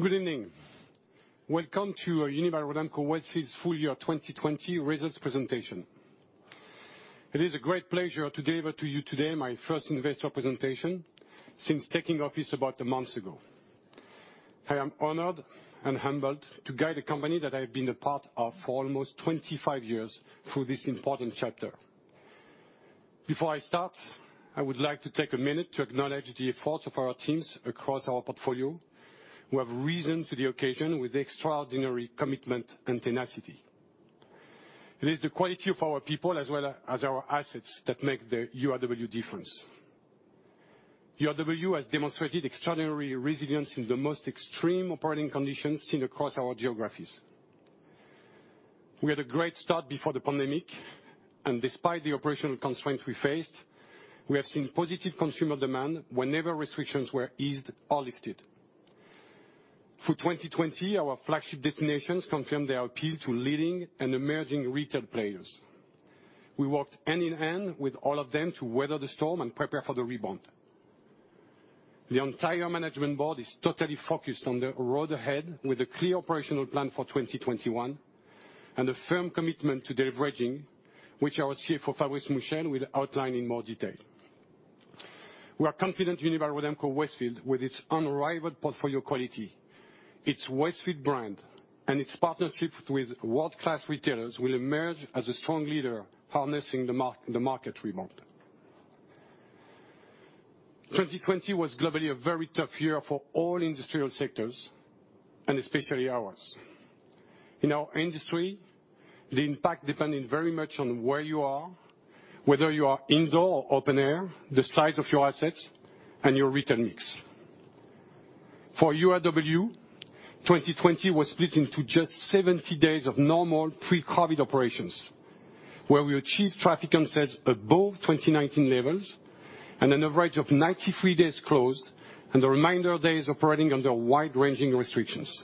Good evening. Welcome to Unibail-Rodamco-Westfield's full year 2020 results presentation. It is a great pleasure to deliver to you today my first investor presentation since taking office about a month ago. I am honored and humbled to guide a company that I've been a part of for almost 25 years through this important chapter. Before I start, I would like to take a minute to acknowledge the efforts of our teams across our portfolio, who have risen to the occasion with extraordinary commitment and tenacity. It is the quality of our people as well as our assets that make the URW difference. URW has demonstrated extraordinary resilience in the most extreme operating conditions seen across our geographies. We had a great start before the pandemic, and despite the operational constraints we faced, we have seen positive consumer demand whenever restrictions were eased or lifted. Through 2020, our flagship destinations confirmed their appeal to leading and emerging retail players. We worked hand in hand with all of them to weather the storm and prepare for the rebound. The entire management board is totally focused on the road ahead with a clear operational plan for 2021, and a firm commitment to deleveraging, which our CFO, Fabrice Mouchel, will outline in more detail. We are confident Unibail-Rodamco-Westfield, with its unrivaled portfolio quality, its Westfield brand, and its partnerships with world-class retailers, will emerge as a strong leader harnessing the market rebound. 2020 was globally a very tough year for all industrial sectors, and especially ours. In our industry, the impact depended very much on where you are, whether you are indoor or open air, the size of your assets, and your retail mix. For URW, 2020 was split into just 70 days of normal pre-COVID operations, where we achieved traffic and sales above 2019 levels, and an average of 93 days closed, and the remainder of days operating under wide-ranging restrictions.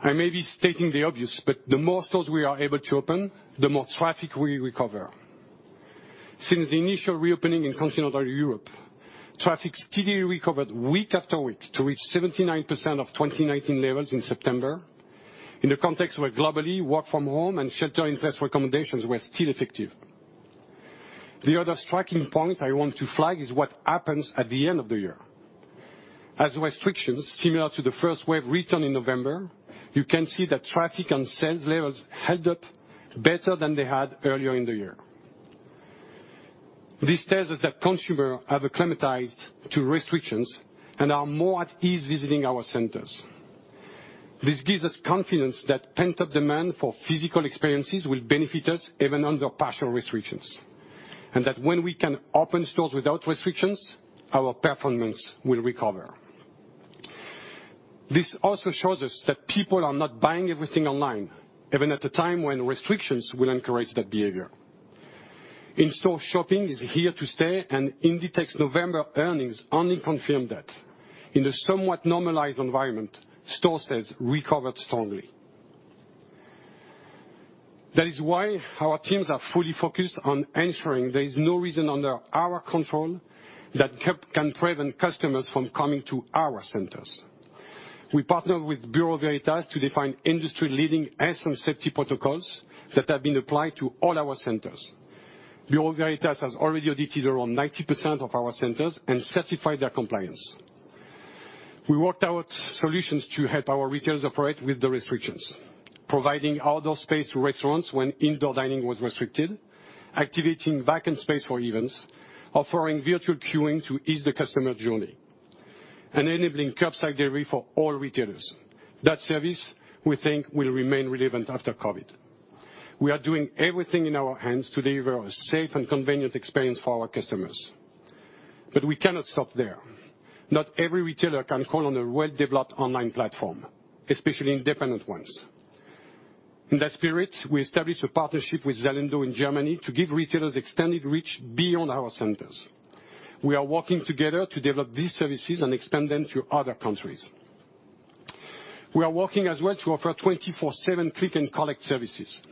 I may be stating the obvious, but the more stores we are able to open, the more traffic we recover. Since the initial reopening in Continental Europe, traffic steadily recovered week after week to reach 79% of 2019 levels in September, in a context where globally work from home and shelter in place recommendations were still effective. The other striking point I want to flag is what happens at the end of the year. As restrictions similar to the first wave returned in November, you can see that traffic and sales levels held up better than they had earlier in the year. This tells us that consumers have acclimatized to restrictions and are more at ease visiting our centers. This gives us confidence that pent-up demand for physical experiences will benefit us even under partial restrictions, that when we can open stores without restrictions, our performance will recover. This also shows us that people are not buying everything online, even at a time when restrictions will encourage that behavior. In-store shopping is here to stay, Inditex November earnings only confirm that. In the somewhat normalized environment, store sales recovered strongly. That is why our teams are fully focused on ensuring there is no reason under our control that can prevent customers from coming to our centers. We partnered with Bureau Veritas to define industry-leading health and safety protocols that have been applied to all our centers. Bureau Veritas has already audited around 90% of our centers and certified their compliance. We worked out solutions to help our retailers operate with the restrictions, providing outdoor space to restaurants when indoor dining was restricted, activating backend space for events, offering virtual queuing to ease the customer journey, and enabling curbside delivery for all retailers. That service, we think, will remain relevant after COVID. We are doing everything in our hands to deliver a safe and convenient experience for our customers. We cannot stop there. Not every retailer can call on a well-developed online platform, especially independent ones. In that spirit, we established a partnership with Zalando in Germany to give retailers extended reach beyond our centers. We are working together to develop these services and expand them to other countries. We are working as well to offer 24/7 click and collect services.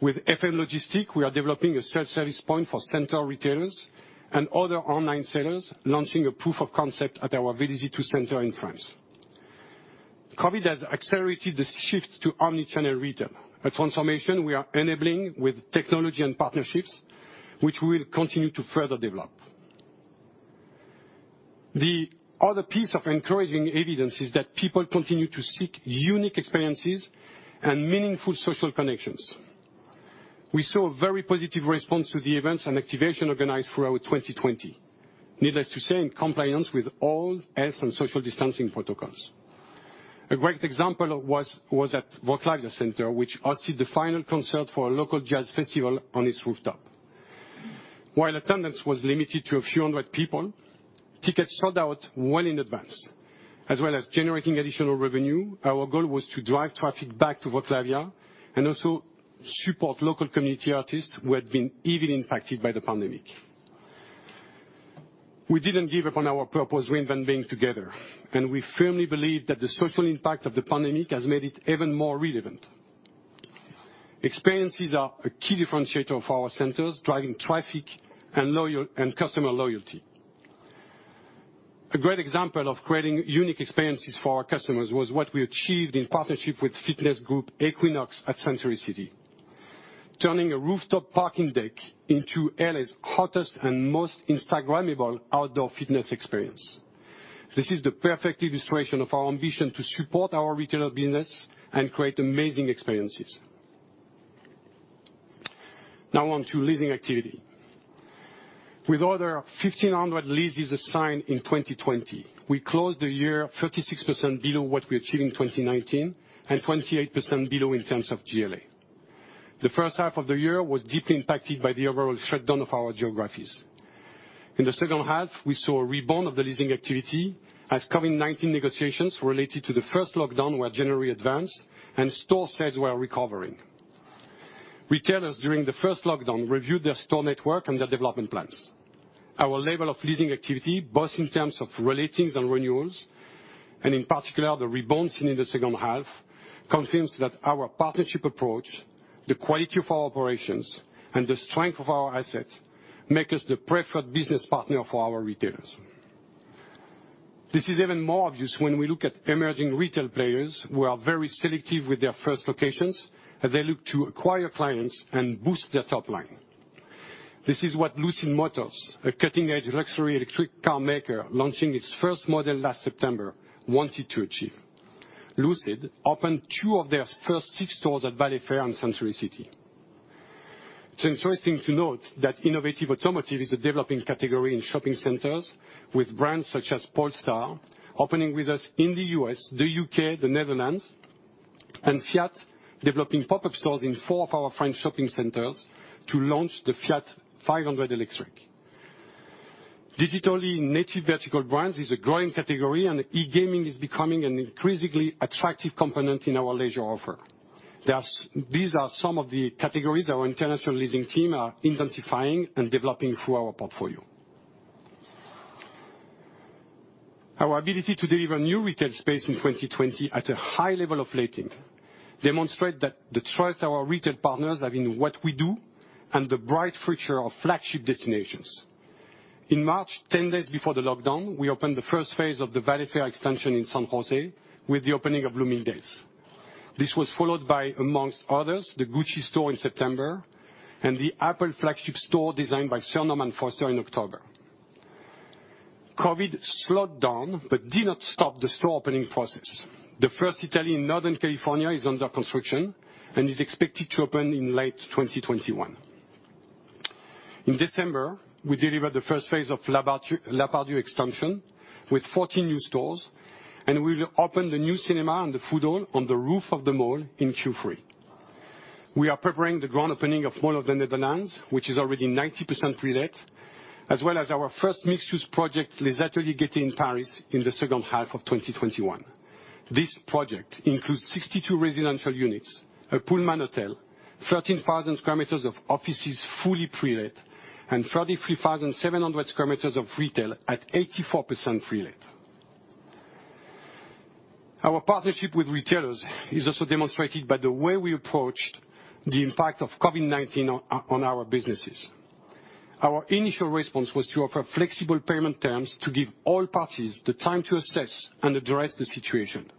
With FM Logistic, we are developing a self-service point for center retailers and other online sellers, launching a proof of concept at our Vélizy 2 center in France. COVID has accelerated the shift to omnichannel retail, a transformation we are enabling with technology and partnerships which we'll continue to further develop. The other piece of encouraging evidence is that people continue to seek unique experiences and meaningful social connections. We saw a very positive response to the events and activation organized throughout 2020. Needless to say, in compliance with all health and social distancing protocols. A great example was at Wroclavia center, which hosted the final concert for a local jazz festival on its rooftop. While attendance was limited to a few hundred people, tickets sold out well in advance. As well as generating additional revenue, our goal was to drive traffic back to Wroclavia, and also support local community artists who had been heavily impacted by the pandemic. We didn't give up on our purpose, reinvent being together, and we firmly believe that the social impact of the pandemic has made it even more relevant. Experiences are a key differentiator for our centers, driving traffic and customer loyalty. A great example of creating unique experiences for our customers was what we achieved in partnership with fitness group Equinox at Century City. Turning a rooftop parking deck into L.A.'s hottest and most Instagrammable outdoor fitness experience. This is the perfect illustration of our ambition to support our retail business and create amazing experiences. Now on to leasing activity. With other 1,500 leases signed in 2020, we closed the year 36% below what we achieved in 2019 and 28% below in terms of GLA. The first half of the year was deeply impacted by the overall shutdown of our geographies. In the second half, we saw a rebound of the leasing activity as Covid-19 negotiations related to the first lockdown were generally advanced and store sales were recovering. Retailers during the first lockdown reviewed their store network and their development plans. Our level of leasing activity, both in terms of relettings and renewals, and in particular, the rebound seen in the second half, confirms that our partnership approach, the quality of our operations, and the strength of our assets make us the preferred business partner for our retailers. This is even more obvious when we look at emerging retail players who are very selective with their first locations, as they look to acquire clients and boost their top line. This is what Lucid Motors, a cutting-edge luxury electric car maker launching its first model last September, wanted to achieve. Lucid opened two of their first six stores at Valley Fair and Century City. It's interesting to note that innovative automotive is a developing category in shopping centers with brands such as Polestar opening with us in the U.S., the U.K., the Netherlands, and Fiat developing pop-up stores in four of our French shopping centers to launch the Fiat 500 electric. digitally native vertical brands is a growing category, and e-gaming is becoming an increasingly attractive component in our leisure offer. These are some of the categories our international leasing team are intensifying and developing through our portfolio. Our ability to deliver new retail space in 2020 at a high level of letting demonstrate the trust our retail partners have in what we do and the bright future of flagship destinations. In March, 10 days before the lockdown, we opened the first phase of the Valley Fair extension in San Jose with the opening of Bloomingdale's. This was followed by, amongst others, the Gucci store in September and the Apple flagship store designed by Sir Norman Foster in October. Covid slowed down but did not stop the store opening process. The first Eataly in Northern California is under construction and is expected to open in late 2021. In December, we delivered the first phase of La Part-Dieu extension with 40 new stores and will open the new cinema and the food hall on the roof of the mall in Q3. We are preparing the grand opening of Mall of the Netherlands, which is already 90% pre-let, as well as our first mixed-use project, Les Ateliers Gaîté in Paris in the second half of 2021. This project includes 62 residential units, a Pullman hotel, 13,000 sq m of offices fully pre-let, and 33,700 sq m of retail at 84% pre-let. Our partnership with retailers is also demonstrated by the way we approached the impact of Covid-19 on our businesses. Our initial response was to offer flexible payment terms to give all parties the time to assess and address the situation.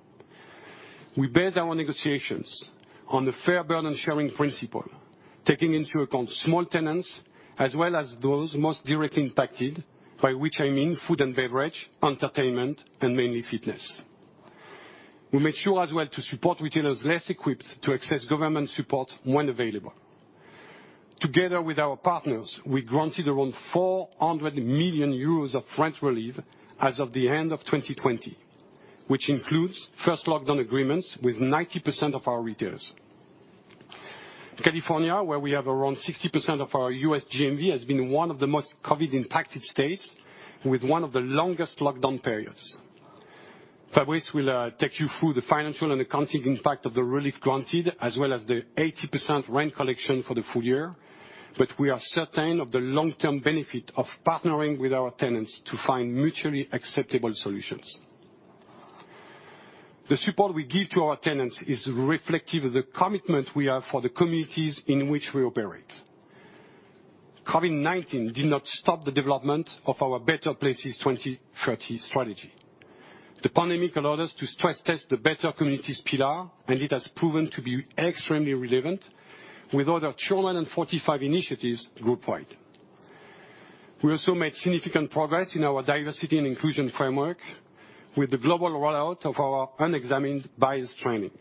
We based our negotiations on the fair burden-sharing principle, taking into account small tenants as well as those most directly impacted, by which I mean food and beverage, entertainment, and mainly fitness. We made sure as well to support retailers less equipped to access government support when available. Together with our partners, we granted around 400 million euros of rent relief as of the end of 2020, which includes first lockdown agreements with 90% of our retailers. California, where we have around 60% of our U.S. GMV, has been one of the most Covid-19-impacted states with one of the longest lockdown periods. Fabrice will take you through the financial and accounting impact of the relief granted, as well as the 80% rent collection for the full year. We are certain of the long-term benefit of partnering with our tenants to find mutually acceptable solutions. The support we give to our tenants is reflective of the commitment we have for the communities in which we operate. Covid-19 did not stop the development of our Better Places 2030 strategy. The pandemic allowed us to stress test the better communities pillar. It has proven to be extremely relevant with other 245 initiatives group wide. We also made significant progress in our diversity and inclusion framework with the global rollout of our unexamined bias training.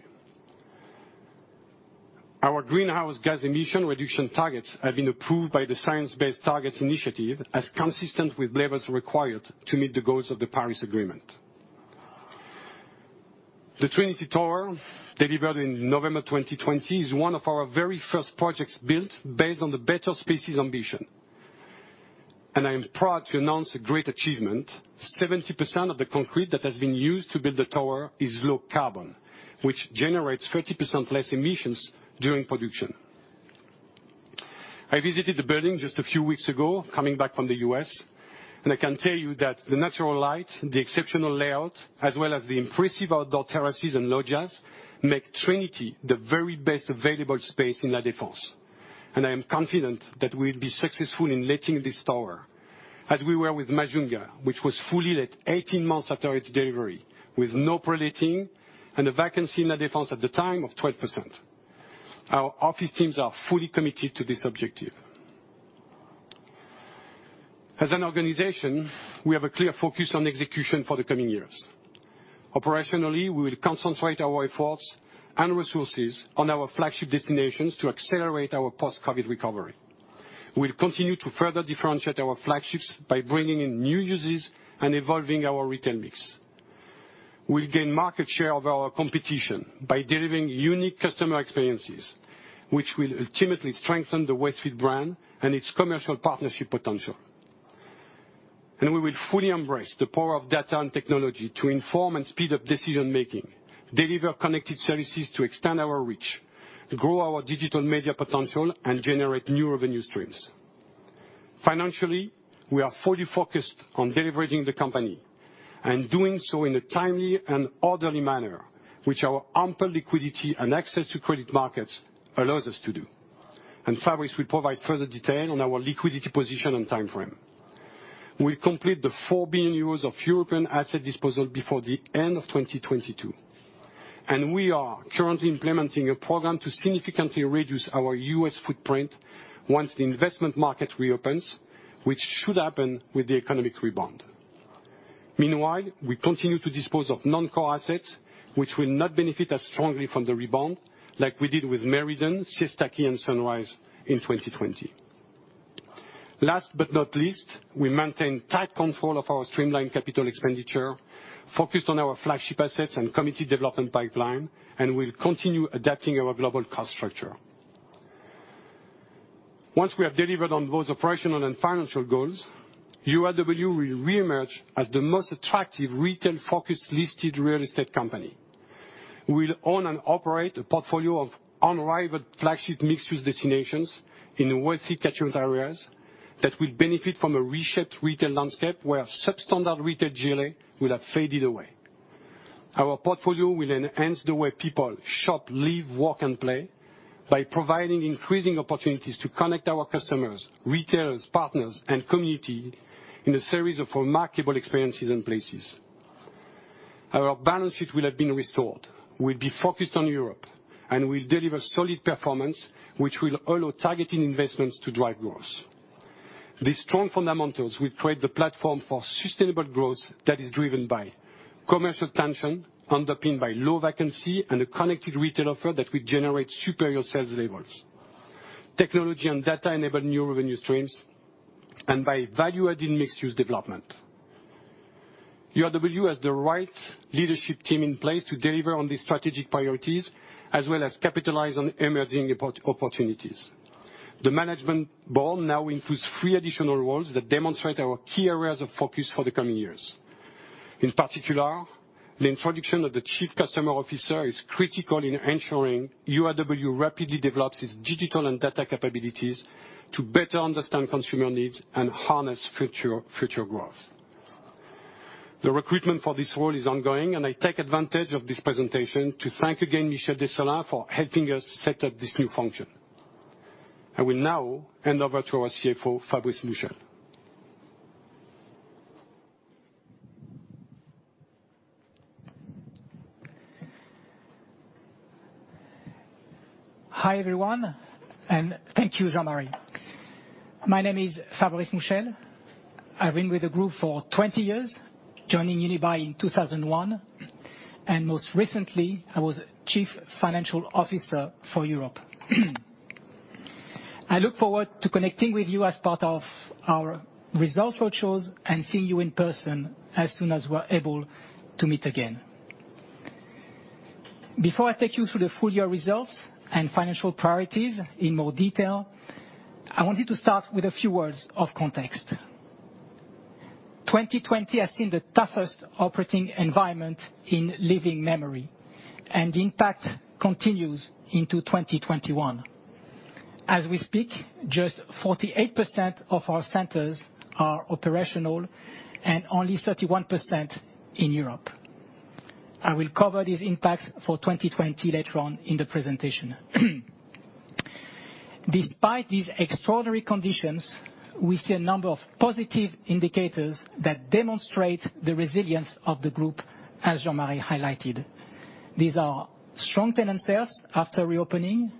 Our greenhouse gas emission reduction targets have been approved by the Science Based Targets initiative as consistent with levels required to meet the goals of the Paris Agreement. The Trinity Tower, delivered in November 2020, is one of our very first projects built based on the Better Places ambition. I am proud to announce a great achievement. 70% of the concrete that has been used to build the tower is low carbon, which generates 30% less emissions during production. I visited the building just a few weeks ago coming back from the U.S., and I can tell you that the natural light, the exceptional layout, as well as the impressive outdoor terraces and loggias, make Trinity the very best available space in La Défense. I am confident that we'll be successful in letting this tower, as we were with Majunga, which was fully let 18 months after its delivery, with no pre-letting and a vacancy in La Défense at the time of 12%. Our office teams are fully committed to this objective. As an organization, we have a clear focus on execution for the coming years. Operationally, we will concentrate our efforts and resources on our flagship destinations to accelerate our post-COVID recovery. We'll continue to further differentiate our flagships by bringing in new uses and evolving our retail mix. We'll gain market share over our competition by delivering unique customer experiences, which will ultimately strengthen the Westfield brand and its commercial partnership potential. We will fully embrace the power of data and technology to inform and speed up decision-making, deliver connected services to extend our reach, grow our digital media potential, and generate new revenue streams. Financially, we are fully focused on deleveraging the company, and doing so in a timely and orderly manner, which our ample liquidity and access to credit markets allows us to do. Fabrice will provide further detail on our liquidity position and time frame. We'll complete the 4 billion euros of European asset disposal before the end of 2022. We are currently implementing a program to significantly reduce our U.S. footprint once the investment market reopens, which should happen with the economic rebound. Meanwhile, we continue to dispose of non-core assets, which will not benefit as strongly from the rebound, like we did with Meriden, Westaczie, and Sunrise in 2020. Last but not least, we maintain tight control of our streamlined capital expenditure, focused on our flagship assets and committed development pipeline, and we'll continue adapting our global cost structure. Once we have delivered on both operational and financial goals, URW will reemerge as the most attractive retail-focused listed real estate company. We'll own and operate a portfolio of unrivaled flagship mixed-use destinations in wealthy catchment areas that will benefit from a reshaped retail landscape where substandard retail GLA will have faded away. Our portfolio will enhance the way people shop, live, work, and play by providing increasing opportunities to connect our customers, retailers, partners, and community in a series of remarkable experiences and places. Our balance sheet will have been restored. We'll be focused on Europe, and we'll deliver solid performance, which will allow targeted investments to drive growth. These strong fundamentals will create the platform for sustainable growth that is driven by commercial tension, underpinned by low vacancy and a connected retail offer that will generate superior sales levels. Technology and data enable new revenue streams, and by value-adding mixed-use development. URW has the right leadership team in place to deliver on these strategic priorities, as well as capitalize on emerging opportunities. The management board now includes three additional roles that demonstrate our key areas of focus for the coming years. In particular, the introduction of the Chief Customer Officer is critical in ensuring URW rapidly develops its digital and data capabilities to better understand consumer needs and harness future growth. The recruitment for this role is ongoing, and I take advantage of this presentation to thank again Michel Dessolain for helping us set up this new function. I will now hand over to our CFO, Fabrice Mouchel. Hi, everyone, and thank you, Jean-Marie. My name is Fabrice Mouchel. I've been with the group for 20 years, joining Unibail in 2001, and most recently, I was Chief Financial Officer for Europe. I look forward to connecting with you as part of our results roadshows and seeing you in person as soon as we're able to meet again. Before I take you through the full-year results and financial priorities in more detail, I wanted to start with a few words of context. 2020 has seen the toughest operating environment in living memory, and the impact continues into 2021. Just 48% of our centers are operational and only 31% in Europe. I will cover these impacts for 2020 later on in the presentation. Despite these extraordinary conditions, we see a number of positive indicators that demonstrate the resilience of the group, as Jean-Marie highlighted. These are strong tenant sales after reopening,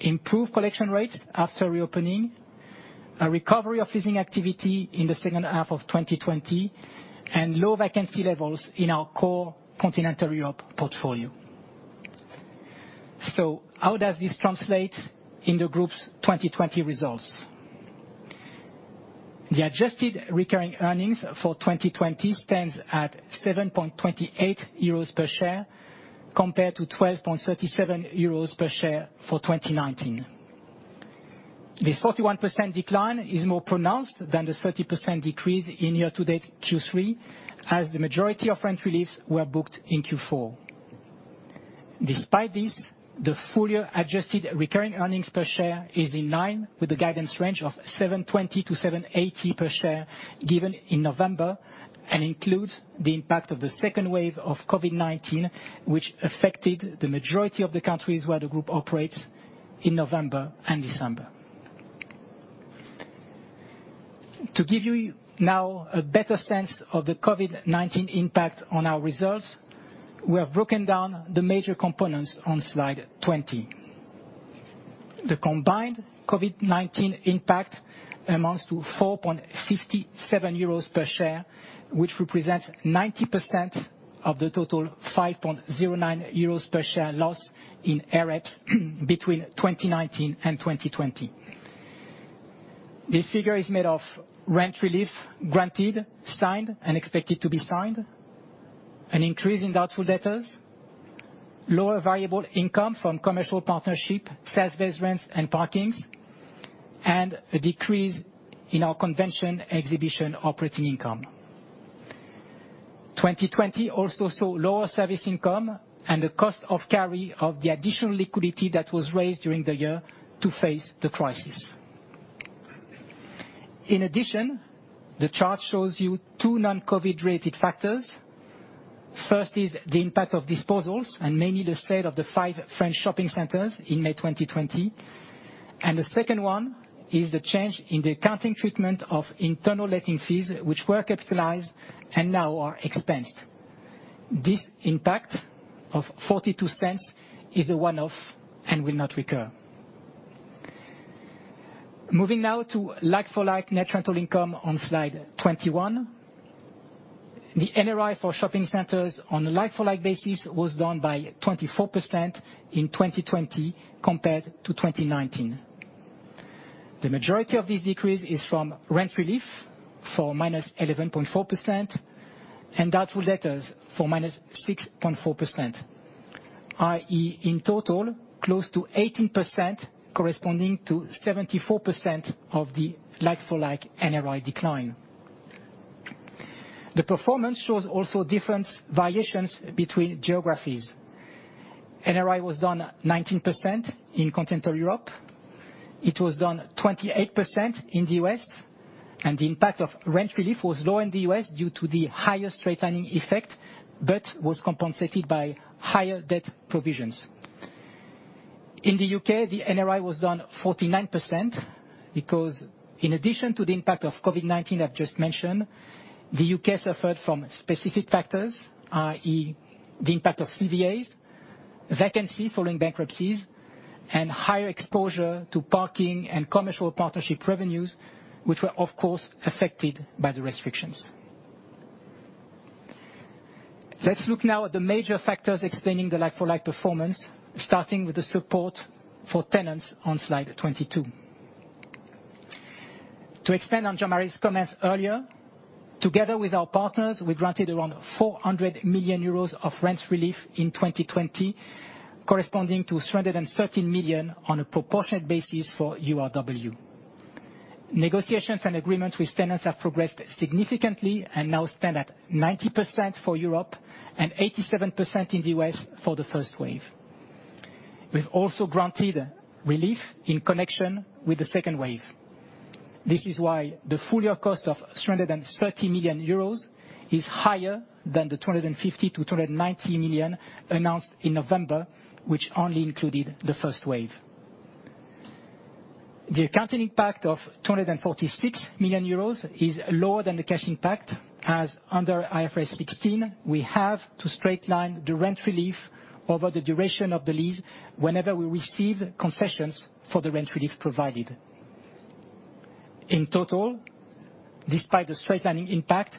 improved collection rates after reopening, a recovery of leasing activity in the second half of 2020, and low vacancy levels in our core continental Europe portfolio. How does this translate in the group's 2020 results? The adjusted recurring earnings for 2020 stands at 7.28 euros per share compared to 12.37 euros per share for 2019. This 41% decline is more pronounced than the 30% decrease in year-to-date Q3, as the majority of rent reliefs were booked in Q4. Despite this, the full-year adjusted recurring earnings per share is in line with the guidance range of 7.20-7.80 per share given in November, and includes the impact of the second wave of COVID-19, which affected the majority of the countries where the group operates in November and December. To give you now a better sense of the COVID-19 impact on our results, we have broken down the major components on slide 20. The combined COVID-19 impact amounts to 4.57 euros per share, which represents 90% of the total 5.09 euros per share loss in AREPs between 2019 and 2020. This figure is made of rent relief granted, signed, and expected to be signed, an increase in doubtful debtors, lower variable income from commercial partnership, sales-based rents and parkings, and a decrease in our convention exhibition operating income. 2020 also saw lower service income and the cost of carry of the additional liquidity that was raised during the year to face the crisis. In addition, the chart shows you two non-COVID-related factors. First is the impact of disposals, and mainly the sale of the five French shopping centers in May 2020. The second one is the change in the accounting treatment of internal letting fees, which were capitalized and now are expensed. This impact of 0.42 is a one-off and will not recur. Moving now to like-for-like net rental income on slide 21. The NRI for shopping centers on a like-for-like basis was down by 24% in 2020 compared to 2019. The majority of this decrease is from rent relief for -11.4% and doubtful debtors for -6.4%, i.e., in total, close to 18%, corresponding to 74% of the like-for-like NRI decline. The performance shows also different variations between geographies. NRI was down 19% in Continental Europe. It was down 28% in the U.S., and the impact of rent relief was lower in the U.S. due to the higher straight-lining effect but was compensated by higher debt provisions. In the U.K., the NRI was down 49% because in addition to the impact of COVID-19 I've just mentioned, the U.K. suffered from specific factors, i.e., the impact of CVAs, vacancy following bankruptcies, and higher exposure to parking and commercial partnership revenues, which were, of course, affected by the restrictions. Let's look now at the major factors explaining the like-for-like performance, starting with the support for tenants on slide 22. To expand on Jean-Marie's comments earlier, together with our partners, we granted around 400 million euros of rent relief in 2020, corresponding to 313 million on a proportionate basis for URW. Negotiations and agreements with tenants have progressed significantly and now stand at 90% for Europe and 87% in the U.S. for the first wave. We've also granted relief in connection with the second wave. This is why the full-year cost of 330 million euros is higher than the 250 million-290 million announced in November, which only included the first wave. The accounting impact of 246 million euros is lower than the cash impact, as under IFRS 16, we have to straight-line the rent relief over the duration of the lease whenever we receive concessions for the rent relief provided. In total, despite the straight-lining impact,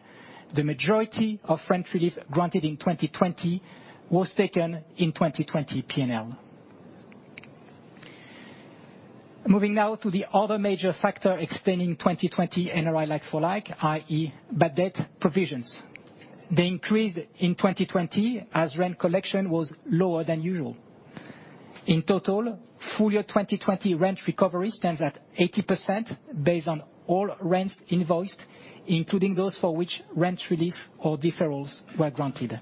the majority of rent relief granted in 2020 was taken in 2020 P&L. Moving now to the other major factor explaining 2020 NRI like-for-like, i.e., bad debt provisions. They increased in 2020 as rent collection was lower than usual. In total, full-year 2020 rent recovery stands at 80% based on all rents invoiced, including those for which rent relief or deferrals were granted.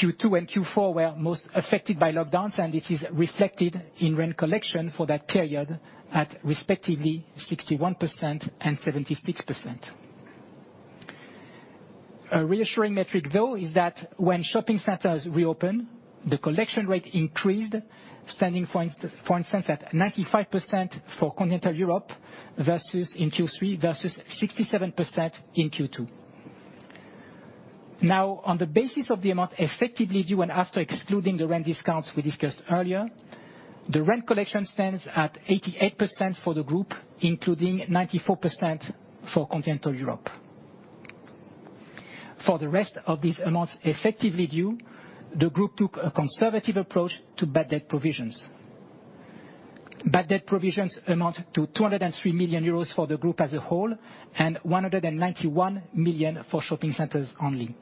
Q2 and Q4 were most affected by lockdowns, and it is reflected in rent collection for that period at respectively 61% and 76%. A reassuring metric, though, is that when shopping centers reopen, the collection rate increased, standing, for instance, at 95% for Continental Europe in Q3 versus 67% in Q2. On the basis of the amount effectively due and after excluding the rent discounts we discussed earlier, the rent collection stands at 88% for the group, including 94% for Continental Europe. For the rest of these amounts effectively due, the group took a conservative approach to bad debt provisions. Bad debt provisions amount to 203 million euros for the group as a whole and 191 million for shopping centers only.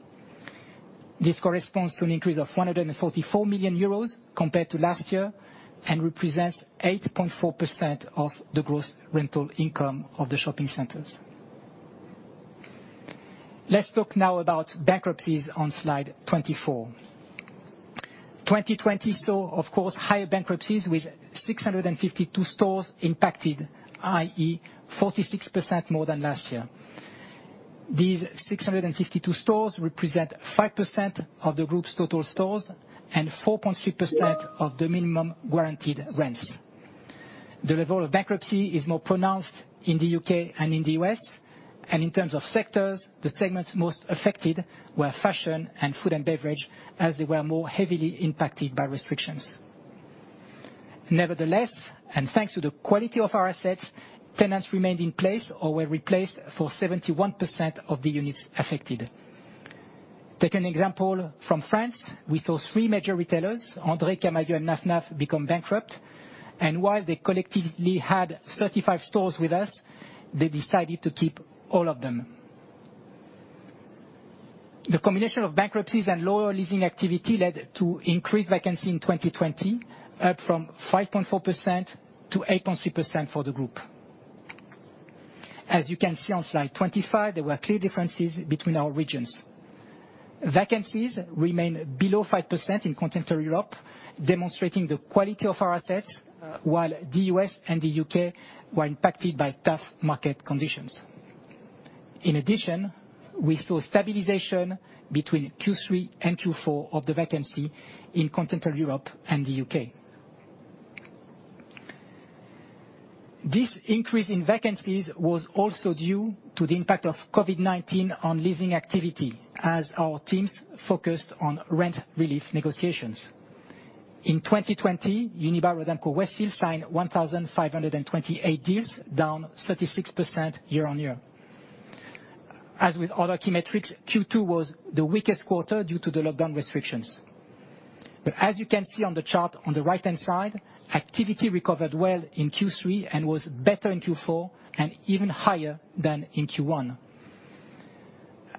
This corresponds to an increase of 144 million euros compared to last year and represents 8.4% of the gross rental income of the shopping centers. Let's talk now about bankruptcies on slide 24. 2020 saw, of course, higher bankruptcies with 652 stores impacted, i.e., 46% more than last year. These 652 stores represent 5% of the group's total stores and 4.3% of the minimum guaranteed rents. The level of bankruptcy is more pronounced in the U.K. and in the U.S., and in terms of sectors, the segments most affected were fashion and food and beverage, as they were more heavily impacted by restrictions. Nevertheless, thanks to the quality of our assets, tenants remained in place or were replaced for 71% of the units affected. Take an example from France. We saw three major retailers, André, Camaïeu, Naf Naf, become bankrupt, and while they collectively had 35 stores with us, they decided to keep all of them. The combination of bankruptcies and lower leasing activity led to increased vacancy in 2020, up from 5.4% to 8.3% for the group. As you can see on slide 25, there were clear differences between our regions. Vacancies remain below 5% in Continental Europe, demonstrating the quality of our assets, while the U.S. and the U.K. were impacted by tough market conditions. In addition, we saw stabilization between Q3 and Q4 of the vacancy in Continental Europe and the U.K. This increase in vacancies was also due to the impact of Covid-19 on leasing activity as our teams focused on rent relief negotiations. In 2020, Unibail-Rodamco-Westfield signed 1,528 deals, down 36% year-on-year. As with other key metrics, Q2 was the weakest quarter due to the lockdown restrictions. As you can see on the chart on the right-hand side, activity recovered well in Q3 and was better in Q4 and even higher than in Q1.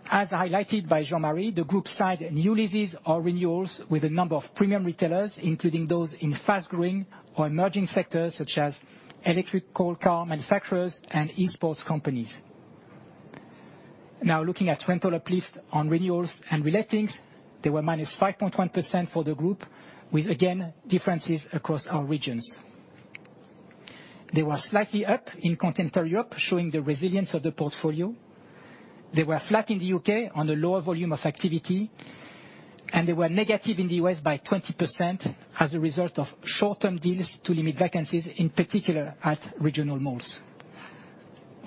As highlighted by Jean-Marie, the group signed new leases or renewals with a number of premium retailers, including those in fast-growing or emerging sectors such as electric car manufacturers and e-sports companies. Now looking at rental uplifts on renewals and relettings, they were minus 5.1% for the group, with again, differences across our regions. They were slightly up in Continental Europe, showing the resilience of the portfolio. They were flat in the U.K. on a lower volume of activity, and they were negative in the U.S. by 20% as a result of short-term deals to limit vacancies, in particular at regional malls.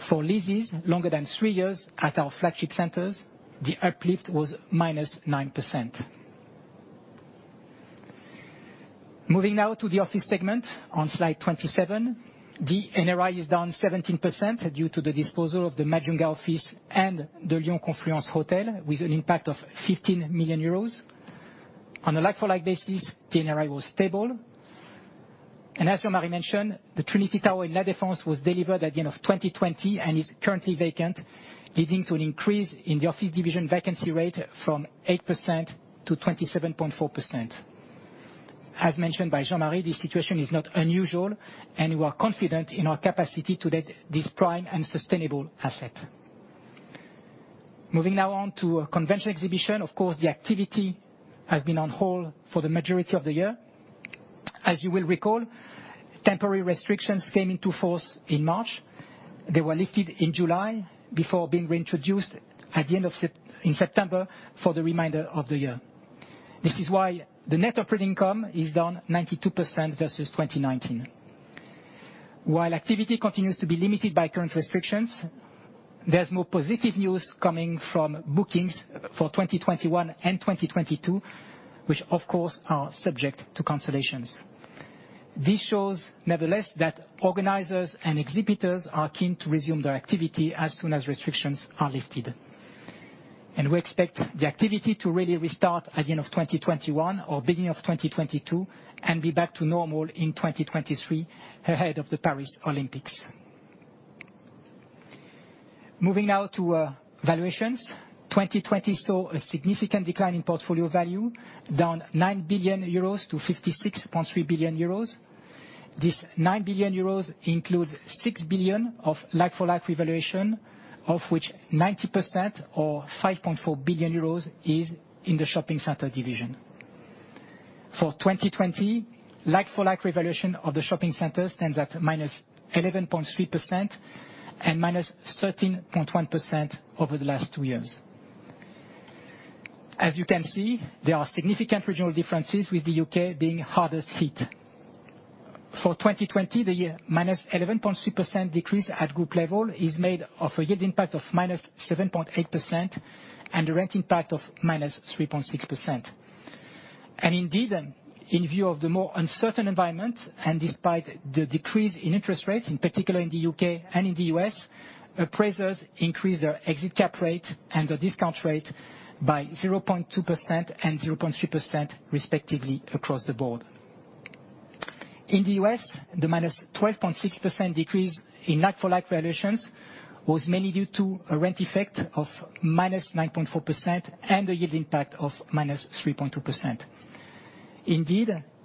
For leases longer than three years at our flagship centers, the uplift was minus 9%. To the office segment on Slide 27. The NRI is down 17% due to the disposal of the Majunga office and the Lyon Confluence Hotel, with an impact of 15 million euros. On a like-for-like basis, the NRI was stable. As Jean-Marie mentioned, the Trinity Tower in La Défense was delivered at the end of 2020 and is currently vacant, leading to an increase in the office division vacancy rate from 8% to 27.4%. As mentioned by Jean-Marie, this situation is not unusual, and we are confident in our capacity to let this prime and sustainable asset. On to convention exhibition. Of course, the activity has been on hold for the majority of the year. As you will recall, temporary restrictions came into force in March. They were lifted in July before being reintroduced in September for the remainder of the year. This is why the net operating income is down 92% versus 2019. While activity continues to be limited by current restrictions, there is more positive news coming from bookings for 2021 and 2022, which of course are subject to cancellations. This shows nevertheless that organizers and exhibitors are keen to resume their activity as soon as restrictions are lifted. We expect the activity to really restart at the end of 2021 or beginning of 2022, be back to normal in 2023 ahead of the Paris Olympics. Moving now to valuations. 2020 saw a significant decline in portfolio value, down 9 billion euros to 56.3 billion euros. This 9 billion euros includes 6 billion of like-for-like revaluation, of which 90% or 5.4 billion euros is in the shopping center division. For 2020, like-for-like revaluation of the shopping centers stands at minus 11.3% and minus 13.1% over the last two years. As you can see, there are significant regional differences with the U.K. being hardest hit. For 2020, the minus 11.3% decrease at group level is made of a yield impact of minus 7.8% and a rent impact of minus 3.6%. Indeed, in view of the more uncertain environment and despite the decrease in interest rates, in particular in the U.K. and in the U.S., appraisers increased their exit cap rate and their discount rate by 0.2% and 0.3% respectively across the board. In the U.S., the -12.6% decrease in like-for-like valuations was mainly due to a rent effect of -9.4% and a yield impact of -3.2%.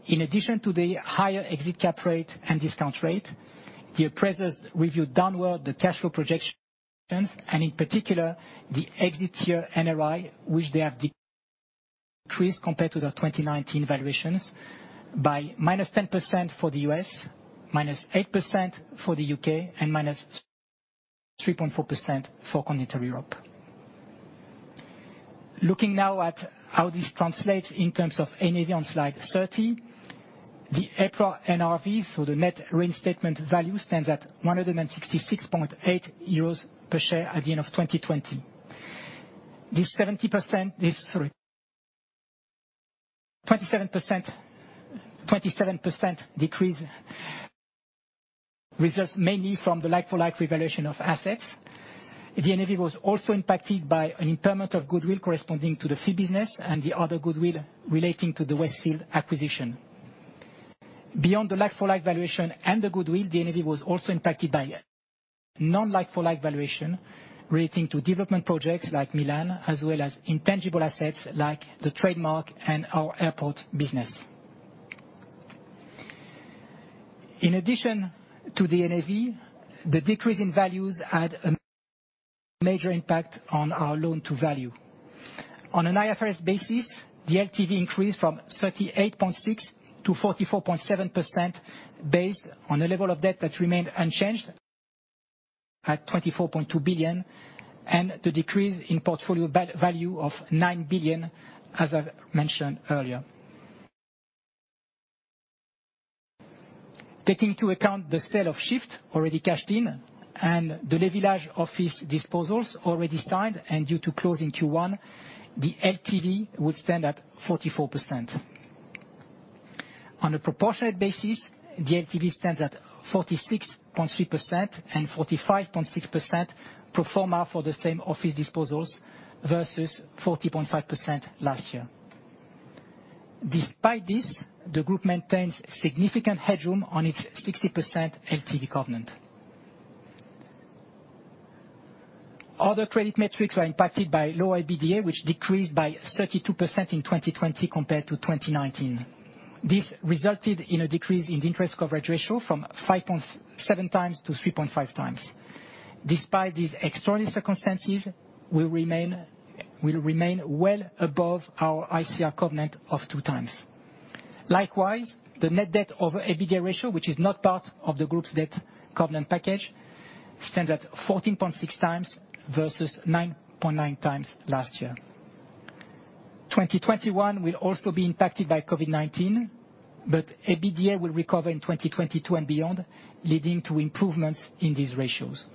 In addition to the higher exit cap rate and discount rate, the appraisers reviewed downward the cash flow projections and in particular, the exit year NRI, which they have decreased compared to the 2019 valuations by -10% for the U.S., -8% for the U.K., and -3.4% for Continental Europe. Looking now at how this translates in terms of NAV on slide 30, the EPRA NRV, so the Net Reinstatement Value, stands at 166.8 euros per share at the end of 2020. This 27% decrease results mainly from the like-for-like revaluation of assets. The NAV was also impacted by an impairment of goodwill corresponding to the fee business and the other goodwill relating to the Westfield acquisition. Beyond the like-for-like valuation and the goodwill, the NAV was also impacted by non-like-for-like valuation relating to development projects like Milan, as well as intangible assets like the trademark and our airport business. In addition to the NAV, the decrease in values had a major impact on our loan-to-value. On an IFRS basis, the LTV increased from 38.6%-44.7%, based on a level of debt that remained unchanged at 24.2 billion, and the decrease in portfolio value of 9 billion as I mentioned earlier. Taking into account the sale of SHiFT, already cashed in, and the Le Village office disposals already signed and due to close in Q1, the LTV would stand at 44%. On a proportionate basis, the LTV stands at 46.3% and 45.6% pro forma for the same office disposals versus 40.5% last year. Despite this, the group maintains significant headroom on its 60% LTV covenant. Other credit metrics were impacted by lower EBITDA, which decreased by 32% in 2020 compared to 2019. This resulted in a decrease in the interest coverage ratio from 5.7x-3.5x. Despite these extraordinary circumstances, we'll remain well above our ICR covenant of 2x. Likewise, the net debt over EBITDA ratio, which is not part of the group's debt covenant package, stands at 14.6x versus 9.9x last year. 2021 will also be impacted by COVID-19, but EBITDA will recover in 2022 and beyond, leading to improvements in these ratios.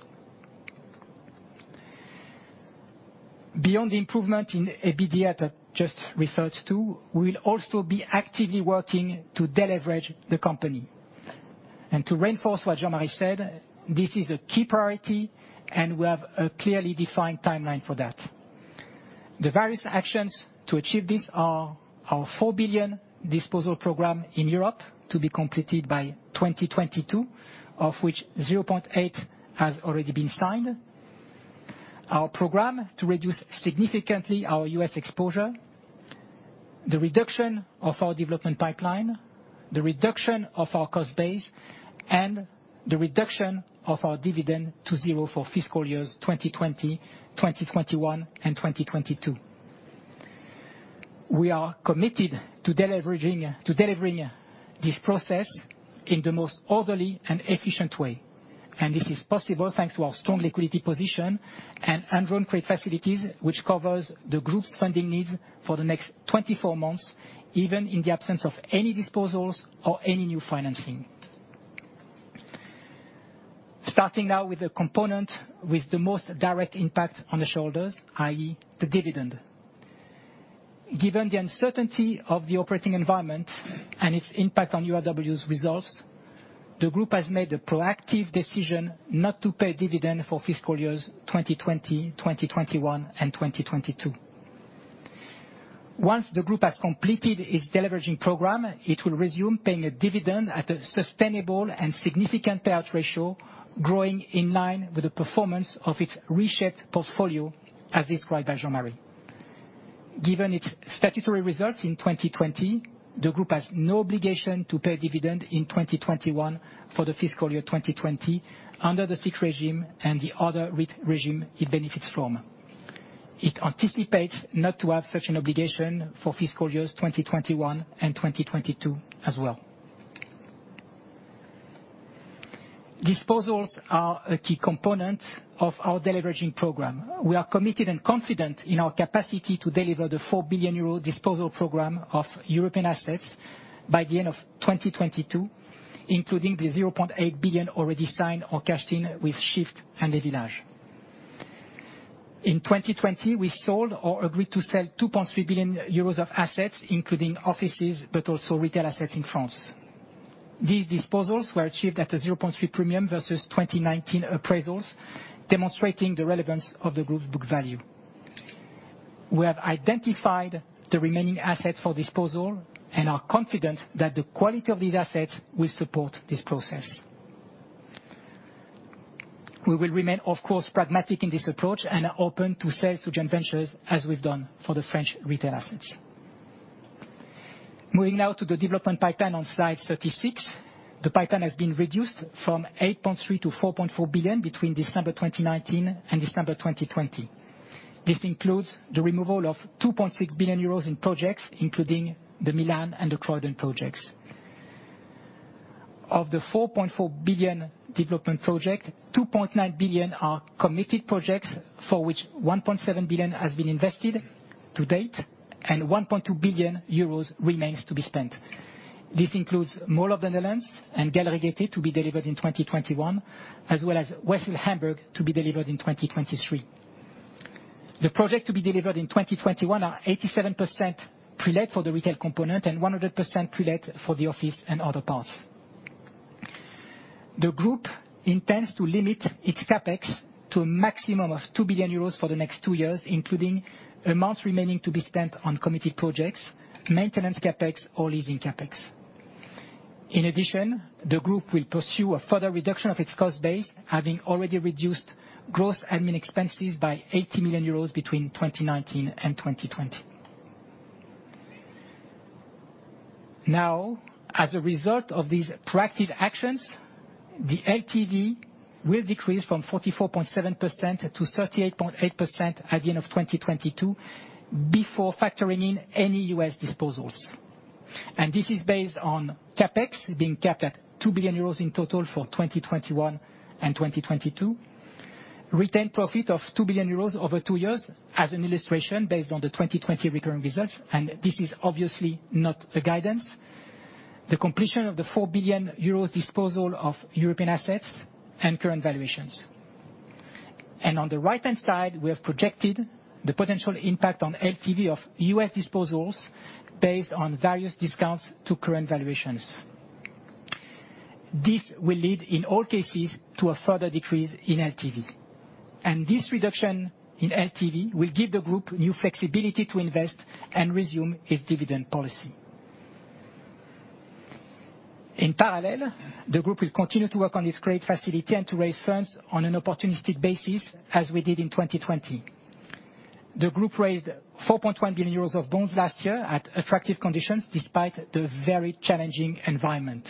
Beyond the improvement in EBITDA that I just referred to, we will also be actively working to deleverage the company. To reinforce what Jean-Marie said, this is a key priority, and we have a clearly defined timeline for that. The various actions to achieve this are our 4 billion disposal program in Europe, to be completed by 2022, of which 0.8 has already been signed, our program to reduce significantly our U.S. exposure, the reduction of our development pipeline, the reduction of our cost base, and the reduction of our dividend to zero for fiscal years 2020, 2021, and 2022. We are committed to delivering this process in the most orderly and efficient way. This is possible thanks to our strong liquidity position and undrawn credit facilities, which covers the group's funding needs for the next 24 months, even in the absence of any disposals or any new financing. Starting now with the component with the most direct impact on the shareholders, i.e. the dividend. Given the uncertainty of the operating environment and its impact on URW's results, the group has made the proactive decision not to pay a dividend for fiscal years 2020, 2021, and 2022. Once the group has completed its deleveraging program, it will resume paying a dividend at a sustainable and significant payout ratio, growing in line with the performance of its reshaped portfolio, as described by Jean-Marie. Given its statutory results in 2020, the group has no obligation to pay a dividend in 2021 for the fiscal year 2020 under the SIIC regime and the other REIT regime it benefits from. It anticipates not to have such an obligation for fiscal years 2021 and 2022 as well. Disposals are a key component of our deleveraging program. We are committed and confident in our capacity to deliver the 4 billion euro disposal program of European assets by the end of 2022, including the 0.8 billion already signed or cashed in with SHiFT and Le Village. In 2020, we sold or agreed to sell 2.3 billion euros of assets, including offices, but also retail assets in France. These disposals were achieved at a 0.3% premium versus 2019 appraisals, demonstrating the relevance of the group's book value. We have identified the remaining assets for disposal and are confident that the quality of these assets will support this process. We will remain, of course, pragmatic in this approach and open to sales to joint ventures as we've done for the French retail assets. Moving now to the development pipeline on slide 36. The pipeline has been reduced from 8.3 billion to 4.4 billion between December 2019 and December 2020. This includes the removal of 2.6 billion euros in projects, including the Milan and the Croydon projects. Of the 4.4 billion development project, 2.9 billion are committed projects for which 1.7 billion has been invested to date, and 1.2 billion euros remains to be spent. This includes Mall of the Netherlands and Gaîté to be delivered in 2021, as well as Westfield Hamburg-Überseequartier to be delivered in 2023. The project to be delivered in 2021 are 87% prelet for the retail component and 100% prelet for the office and other parts. The group intends to limit its CapEx to a maximum of 2 billion euros for the next two years, including amounts remaining to be spent on committed projects, maintenance CapEx or leasing CapEx. In addition, the group will pursue a further reduction of its cost base, having already reduced gross admin expenses by 80 million euros between 2019 and 2020. Now, as a result of these proactive actions, the LTV will decrease from 44.7% to 38.8% at the end of 2022 before factoring in any U.S. disposals. This is based on CapEx being capped at 2 billion euros in total for 2021 and 2022. Retained profit of 2 billion euros over two years as an illustration based on the 2020 recurring results. This is obviously not a guidance. The completion of the 4 billion euros disposal of European assets and current valuations. On the right-hand side, we have projected the potential impact on LTV of U.S. disposals based on various discounts to current valuations. This will lead in all cases to a further decrease in LTV. This reduction in LTV will give the group new flexibility to invest and resume its dividend policy. The group will continue to work on its credit facility and to raise funds on an opportunistic basis as we did in 2020. The group raised 4.1 billion euros of bonds last year at attractive conditions despite the very challenging environment.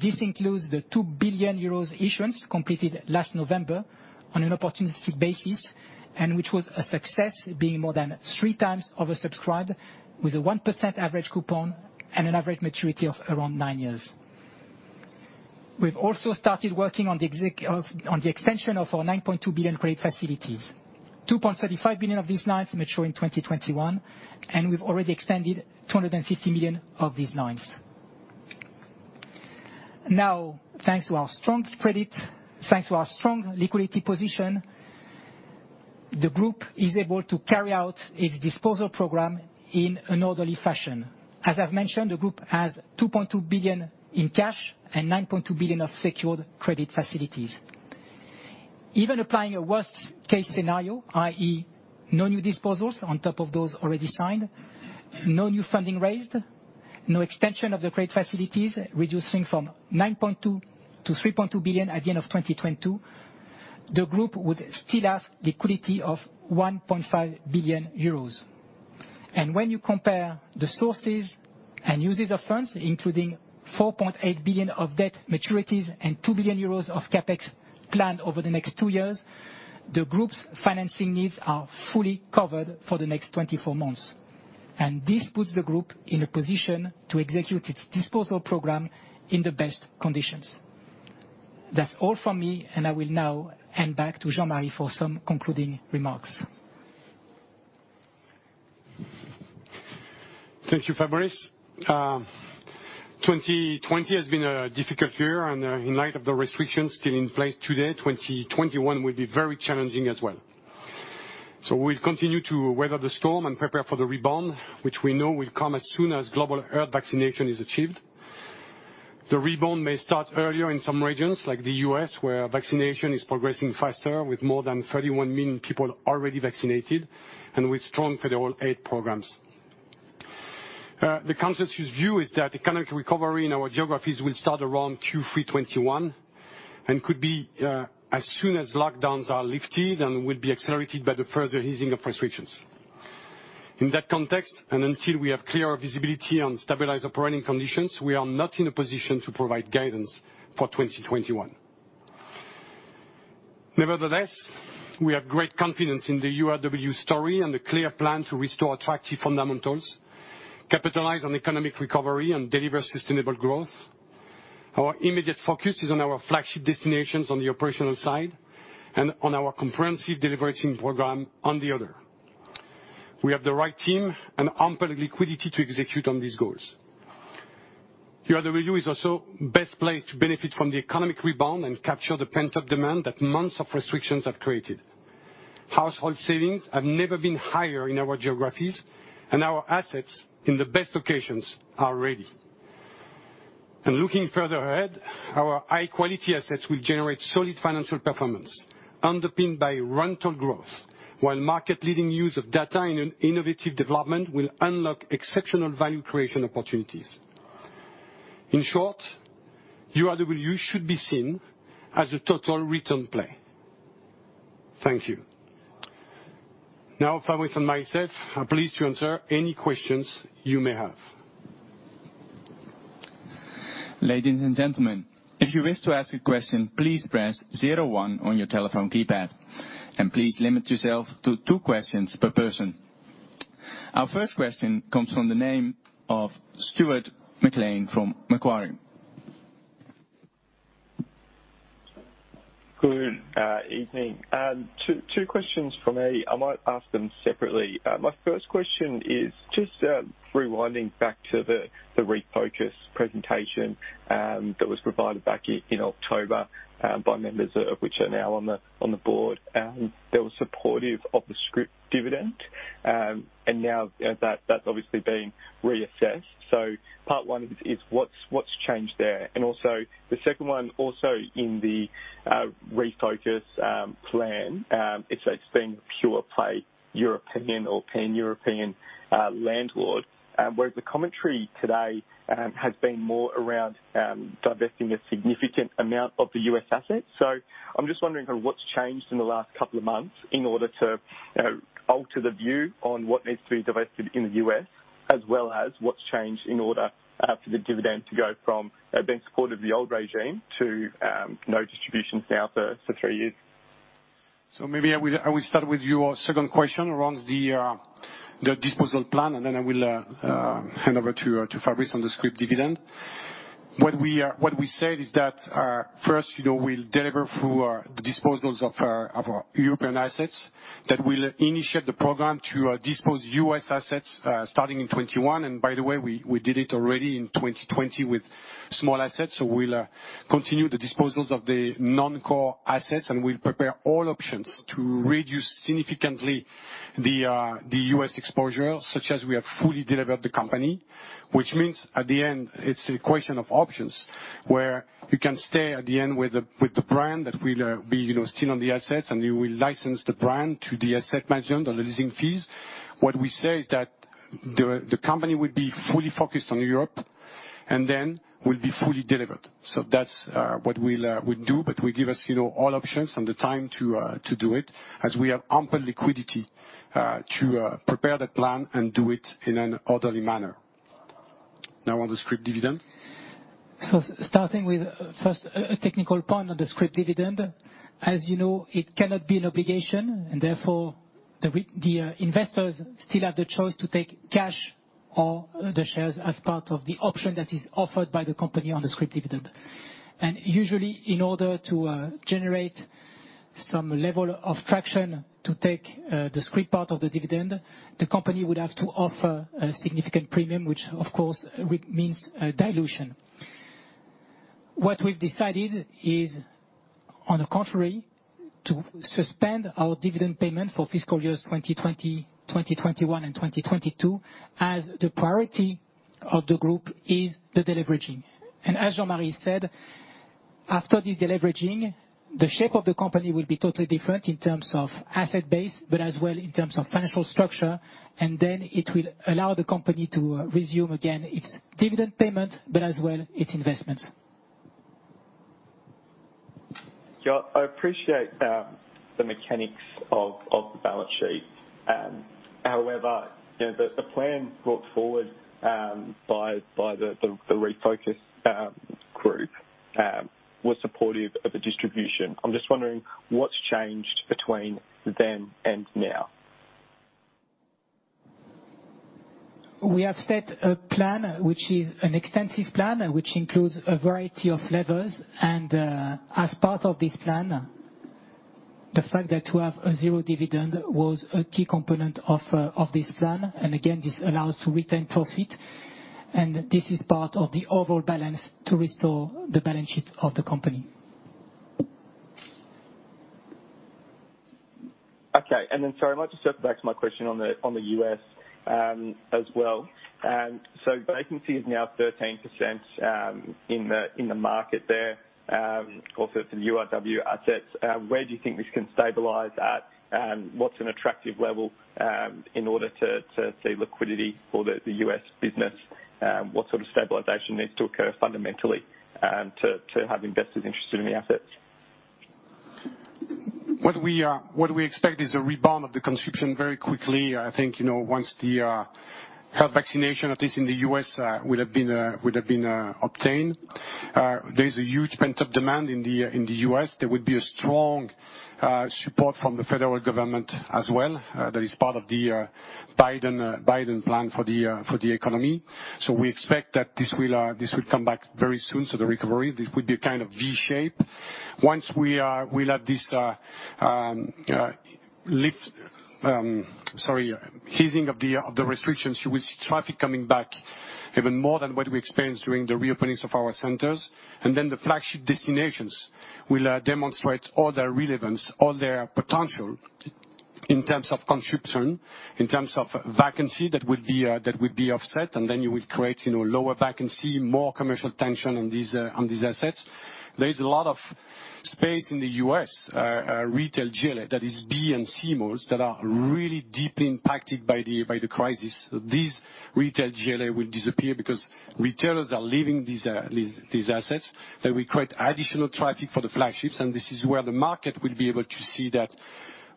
This includes the 2 billion euros issuance completed last November on an opportunity basis, which was a success being more than three times oversubscribed with a 1% average coupon and an average maturity of around nine years. We've also started working on the extension of our 9.2 billion credit facilities. 2.35 billion of these notes mature in 2021, we've already extended 250 million of these notes. Thanks to our strong liquidity position, the group is able to carry out its disposal program in an orderly fashion. As I've mentioned, the group has 2.2 billion in cash and 9.2 billion of secured credit facilities. Even applying a worst-case scenario, i.e., no new disposals on top of those already signed, no new funding raised, no extension of the credit facilities, reducing from 9.2 billion-3.2 billion at the end of 2022, the group would still have liquidity of 1.5 billion euros. When you compare the sources and uses of funds, including 4.8 billion of debt maturities and 2 billion euros of CapEx planned over the next two years, the group's financing needs are fully covered for the next 24 months. This puts the group in a position to execute its disposal program in the best conditions. That's all from me, and I will now hand back to Jean-Marie for some concluding remarks. Thank you, Fabrice. 2020 has been a difficult year, and in light of the restrictions still in place today, 2021 will be very challenging as well. We'll continue to weather the storm and prepare for the rebound, which we know will come as soon as global herd vaccination is achieved. The rebound may start earlier in some regions like the U.S., where vaccination is progressing faster with more than 31 million people already vaccinated and with strong federal aid programs. The consensus view is that economic recovery in our geographies will start around Q3 2021 and could be as soon as lockdowns are lifted and will be accelerated by the further easing of restrictions. In that context, and until we have clearer visibility on stabilized operating conditions, we are not in a position to provide guidance for 2021. Nevertheless, we have great confidence in the URW story and a clear plan to restore attractive fundamentals, capitalize on economic recovery, and deliver sustainable growth. Our immediate focus is on our flagship destinations on the operational side and on our comprehensive delivery team program on the other. We have the right team and ample liquidity to execute on these goals. URW is also best placed to benefit from the economic rebound and capture the pent-up demand that months of restrictions have created. Household savings have never been higher in our geographies, and our assets in the best locations are ready. Looking further ahead, our high-quality assets will generate solid financial performance underpinned by rental growth, while market-leading use of data and innovative development will unlock exceptional value creation opportunities. In short, URW should be seen as a total return play. Thank you. Now, Fabrice and myself are pleased to answer any questions you may have. Ladies and gentlemen, if you wish to ask a question, please press zero one on your telephone keypad. Please limit yourself to two questions per person. Our first question comes from the name of Stuart McLean from Macquarie. Good evening. Two questions from me. I might ask them separately. My first question is just, rewinding back to the Refocus presentation that was provided back in October by members of which are now on the board. They were supportive of the scrip dividend, now that's obviously being reassessed. Part one is what's changed there? Also, the second one, also in the Refocus plan, it's being a pure play European or pan-European landlord, whereas the commentary today has been more around divesting a significant amount of the U.S. assets. I'm just wondering what's changed in the last couple of months in order to alter the view on what needs to be divested in the U.S., as well as what's changed in order for the dividend to go from being supportive of the old regime to no distributions now for three years. Maybe I will start with your second question around the disposal plan, and then I will hand over to Fabrice on the scrip dividend. What we said is that, first, we'll deliver through our disposals of our European assets, that we'll initiate the program to dispose U.S. assets, starting in 2021. By the way, we did it already in 2020 with small assets. We'll continue the disposals of the non-core assets, and we'll prepare all options to reduce significantly the U.S. exposure, such as we have fully delevered the company. Which means, at the end, it's a question of options, where you can stay at the end with the brand that will be seen on the assets, and you will license the brand to the asset management on the leasing fees. What we say is that the company will be fully focused on Europe, and then will be fully delevered. That's what we'll do, but we give us all options and the time to do it, as we have ample liquidity to prepare the plan and do it in an orderly manner. On the scrip dividend. Starting with, first, a technical point on the scrip dividend. As you know, it cannot be an obligation, and therefore, the investors still have the choice to take cash or the shares as part of the option that is offered by the company on the scrip dividend. Usually, in order to generate some level of traction to take the scrip part of the dividend, the company would have to offer a significant premium, which of course, means dilution. What we've decided is, on the contrary, to suspend our dividend payment for fiscal years 2020, 2021, and 2022, as the priority of the group is the deleveraging. As Jean-Marie said, after this deleveraging, the shape of the company will be totally different in terms of asset base, but as well in terms of financial structure. It will allow the company to resume again its dividend payment, but as well, its investments. Yeah, I appreciate the mechanics of the balance sheet. The plan brought forward, by the Refocus group, was supportive of a distribution. I'm just wondering what's changed between then and now. We have set a plan, which is an extensive plan, which includes a variety of levers. As part of this plan, the fact that we have a zero dividend was a key component of this plan. Again, this allows to retain profit, and this is part of the overall balance to restore the balance sheet of the company. Okay. Then, sorry, I'd like to circle back to my question on the U.S. as well. Vacancy is now 13% in the market there, also for the URW assets. Where do you think this can stabilize at? What's an attractive level in order to see liquidity for the U.S. business? What sort of stabilization needs to occur fundamentally, to have investors interested in the assets? What we expect is a rebound of the consumption very quickly. I think, once the health vaccination, at least in the U.S., will have been obtained. There is a huge pent-up demand in the U.S. There would be a strong support from the federal government as well. That is part of the Biden plan for the economy. We expect that this will come back very soon. The recovery, this could be a kind of V shape. Once we will have this lift, easing of the restrictions, you will see traffic coming back even more than what we experienced during the reopenings of our centers. The flagship destinations will demonstrate all their relevance, all their potential in terms of consumption, in terms of vacancy, that would be offset. You would create lower vacancy, more commercial tension on these assets. There is a lot of space in the U.S. retail GLA, that is B and C malls that are really deeply impacted by the crisis. These retail GLA will disappear because retailers are leaving these assets. This is where the market will be able to see that,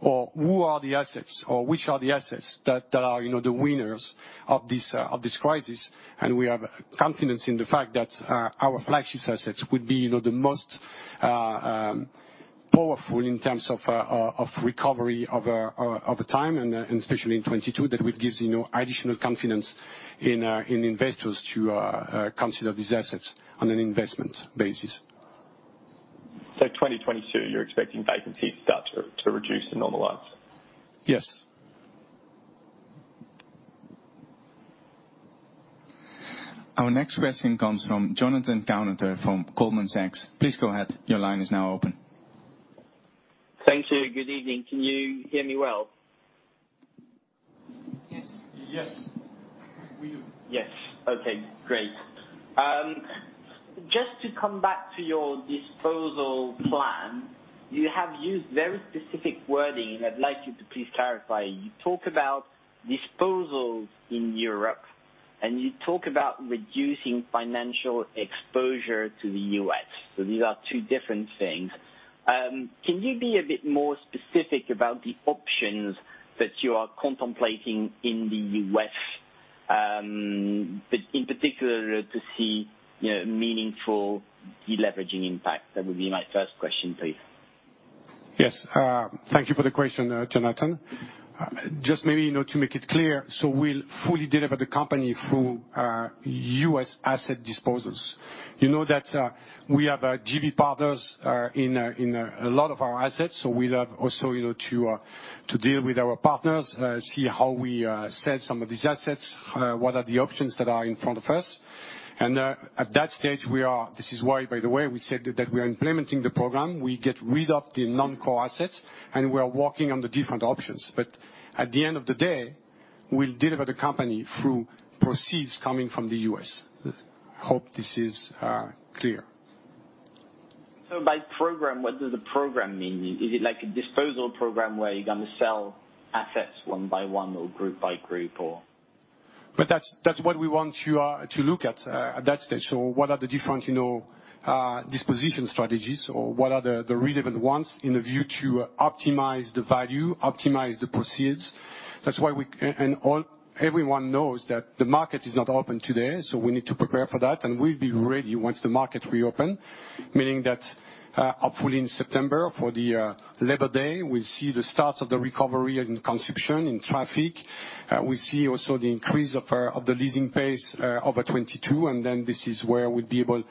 which are the assets that are the winners of this crisis. We have confidence in the fact that our flagship assets would be the most powerful in terms of recovery over time, and especially in 2022. That will give additional confidence in investors to consider these assets on an investment basis. 2022, you're expecting vacancies start to reduce and normalize? Yes. Our next question comes from Jonathan Kownator from Goldman Sachs. Please go ahead. Your line is now open. Thank you. Good evening. Can you hear me well? Yes. Yes. We do. Yes. Okay, great. Just to come back to your disposal plan, you have used very specific wording, and I'd like you to please clarify. You talk about disposals in Europe, and you talk about reducing financial exposure to the U.S. These are two different things. Can you be a bit more specific about the options that you are contemplating in the U.S., in particular, to see meaningful deleveraging impact? That would be my first question, please. Yes. Thank you for the question, Jonathan. Just maybe to make it clear, so we'll fully delever the company through U.S. asset disposals. You know that we have JV partners in a lot of our assets. We'd love also to deal with our partners, see how we sell some of these assets, what are the options that are in front of us. At that stage, we are-- This is why, by the way, we said that we are implementing the program. We get rid of the non-core assets, and we are working on the different options. At the end of the day, we'll delever the company through proceeds coming from the U.S. Hope this is clear. By program, what does the program mean? Is it like a disposal program where you're going to sell assets one by one or group by group? That's what we want to look at that stage. What are the different disposition strategies or what are the relevant ones in the view to optimize the value, optimize the proceeds. Everyone knows that the market is not open today, we need to prepare for that, and we'll be ready once the market reopen. Meaning that, hopefully in September for the Labor Day, we'll see the start of the recovery in consumption, in traffic. We see also the increase of the leasing pace over 2022, this is where we'll be able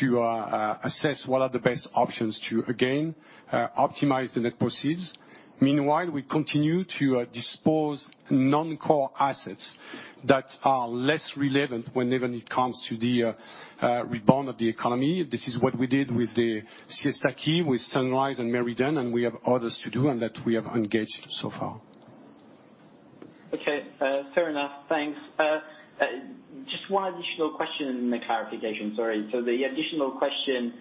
to assess what are the best options to, again, optimize the net proceeds. Meanwhile, we continue to dispose non-core assets that are less relevant whenever it comes to the rebound of the economy. This is what we did with the Siesta Key, with Sunrise and Meriden, and we have others to do, and that we have engaged so far. Okay. Fair enough. Thanks. Just one additional question and a clarification. Sorry. The additional question,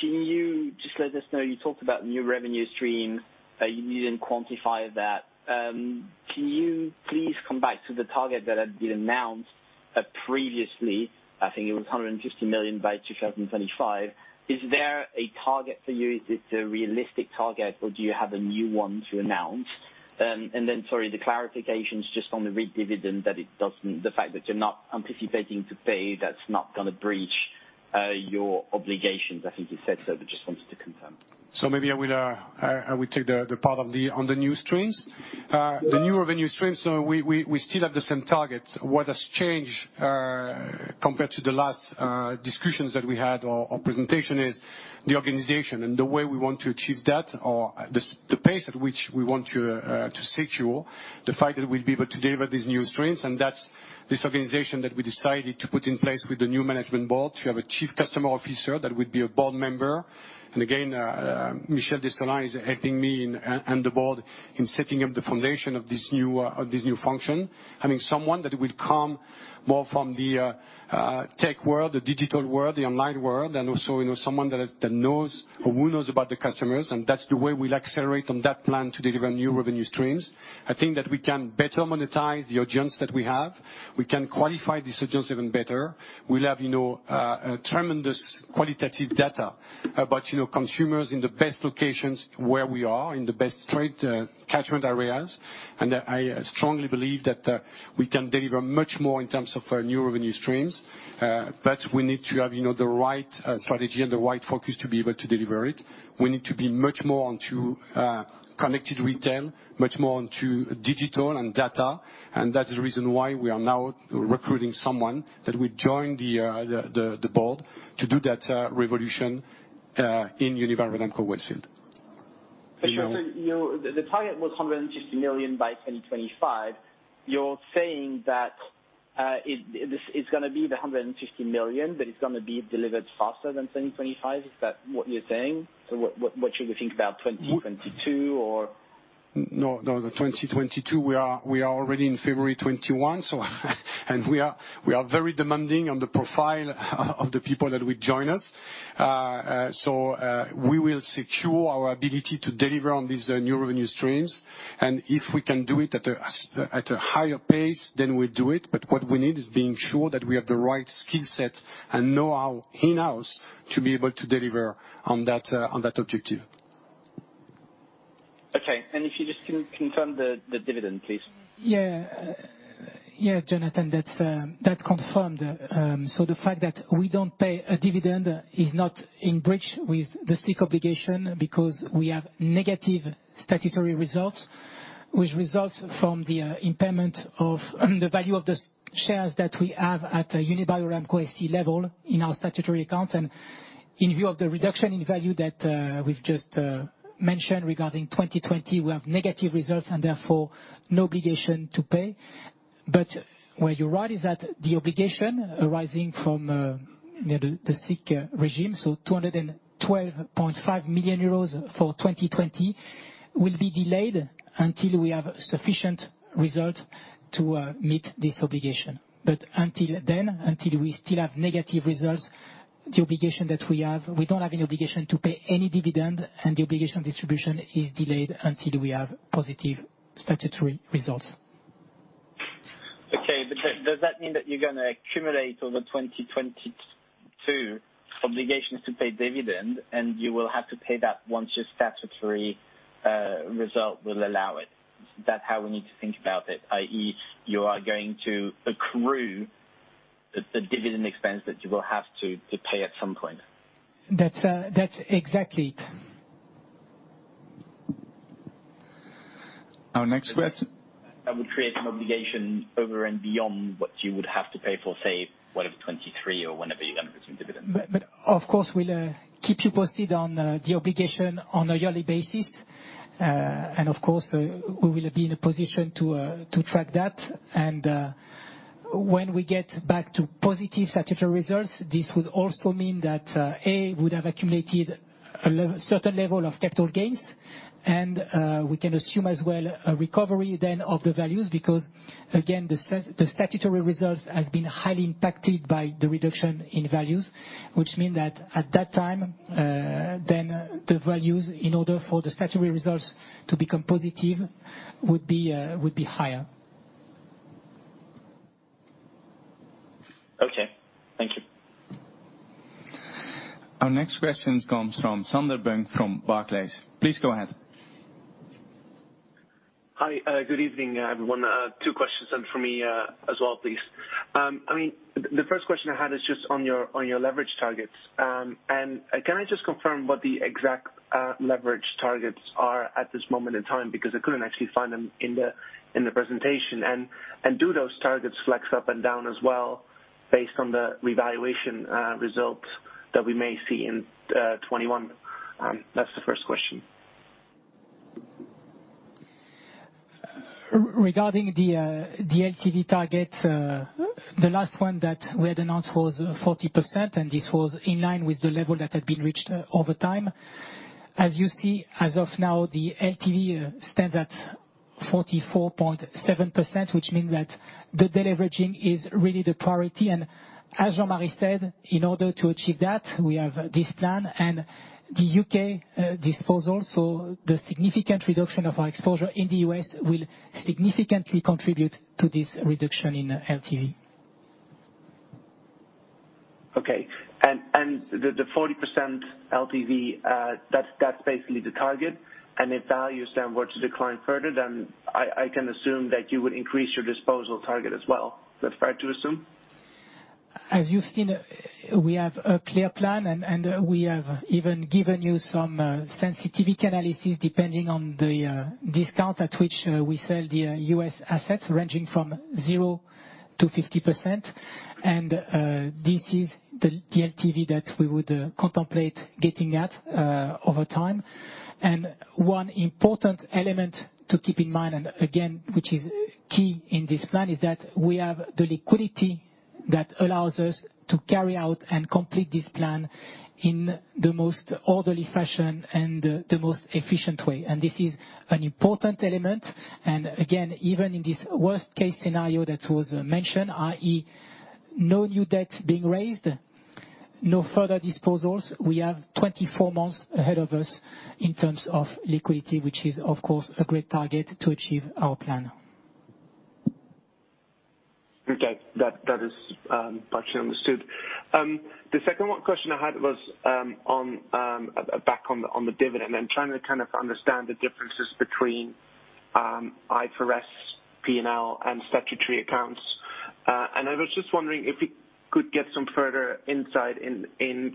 can you just let us know, you talked about new revenue stream, you didn't quantify that. Can you please come back to the target that had been announced previously? I think it was 150 million by 2025. Is there a target for you? Is it a realistic target, or do you have a new one to announce? The clarification is just on the re-dividend, the fact that you're not anticipating to pay, that's not going to breach your obligations. I think you said so, but just wanted to confirm. Maybe I will take the part on the new streams. The new revenue streams, we still have the same target. What has changed, compared to the last discussions that we had or presentation, is the organization and the way we want to achieve that, or the pace at which we want to secure the fact that we'll be able to deliver these new streams. That's this organization that we decided to put in place with the new management board, to have a Chief Customer Officer that would be a board member. Again, Michel Dessolain is helping me and the board in setting up the foundation of this new function. Having someone that will come more from the tech world, the digital world, the online world, and also someone who knows about the customers. That's the way we'll accelerate on that plan to deliver new revenue streams. I think that we can better monetize the audience that we have. We can qualify this audience even better. We'll have tremendous qualitative data about consumers in the best locations where we are, in the best trade catchment areas. I strongly believe that we can deliver much more in terms of new revenue streams. We need to have the right strategy and the right focus to be able to deliver it. We need to be much more onto Connected Retail, much more onto digital and data. That's the reason why we are now recruiting someone that will join the board to do that revolution in Unibail-Rodamco-Westfield. The target was 150 million by 2025. You're saying that it's going to be the 150 million, but it's going to be delivered faster than 2025. Is that what you're saying? What should we think about 2022 or? No, 2022. We are already in February 2021, and we are very demanding on the profile of the people that will join us. We will secure our ability to deliver on these new revenue streams. If we can do it at a higher pace, then we'll do it. What we need is being sure that we have the right skill set and know-how in-house to be able to deliver on that objective. Okay. If you just confirm the dividend, please. Jonathan. That's confirmed. The fact that we don't pay a dividend is not in breach with the SIIC obligation because we have negative statutory results, which results from the impairment of the value of the shares that we have at the Unibail-Rodamco-Westfield level in our statutory accounts. In view of the reduction in value that we've just mentioned regarding 2020, we have negative results and therefore no obligation to pay. Where you're right is that the obligation arising from the SIIC regime, so 212.5 million euros for 2020, will be delayed until we have sufficient results to meet this obligation. Until then, until we still have negative results, we don't have any obligation to pay any dividend, and the obligation distribution is delayed until we have positive statutory results. Okay. Does that mean that you're going to accumulate over 2022 obligations to pay dividend, and you will have to pay that once your statutory result will allow it? Is that how we need to think about it, i.e., you are going to accrue the dividend expense that you will have to pay at some point? That's exactly it. Our next quest- That would create an obligation over and beyond what you would have to pay for, say, whatever, 2023 or whenever you're going to resume dividend. Of course, we'll keep you posted on the obligation on a yearly basis. Of course, we will be in a position to track that. When we get back to positive statutory results, this would also mean that, A, would have accumulated a certain level of capital gains. We can assume as well a recovery then of the values, because again, the statutory results has been highly impacted by the reduction in values. Which mean that at that time, then the values in order for the statutory results to become positive would be higher. Okay. Thank you. Our next question comes from Sander Bunck from Barclays. Please go ahead. Hi. Good evening, everyone. Two questions from me, as well, please. The first question I had is just on your leverage targets. Can I just confirm what the exact leverage targets are at this moment in time? Because I couldn't actually find them in the presentation. Do those targets flex up and down as well based on the revaluation results that we may see in 2021? That's the first question. Regarding the LTV target, the last one that we had announced was 40%, this was in line with the level that had been reached over time. As you see, as of now, the LTV stands at 44.7%, which mean that the deleveraging is really the priority. As Jean-Marie said, in order to achieve that, we have this plan and the U.K. disposal. The significant reduction of our exposure in the U.S. will significantly contribute to this reduction in LTV. Okay. The 40% LTV, that's basically the target. If values then were to decline further, then I can assume that you would increase your disposal target as well. Is that fair to assume? As you've seen, we have a clear plan. We have even given you some sensitivity analysis depending on the discount at which we sell the U.S. assets, ranging from 0%-50%. This is the LTV that we would contemplate getting at over time. One important element to keep in mind, again, which is key in this plan, is that we have the liquidity that allows us to carry out and complete this plan in the most orderly fashion and the most efficient way. This is an important element. Again, even in this worst-case scenario that was mentioned, i.e., no new debt being raised, no further disposals, we have 24 months ahead of us in terms of liquidity, which is, of course, a great target to achieve our plan. Okay. That is partially understood. The second question I had was back on the dividend and trying to kind of understand the differences between IFRS, P&L, and statutory accounts. I was just wondering if you could get some further insight in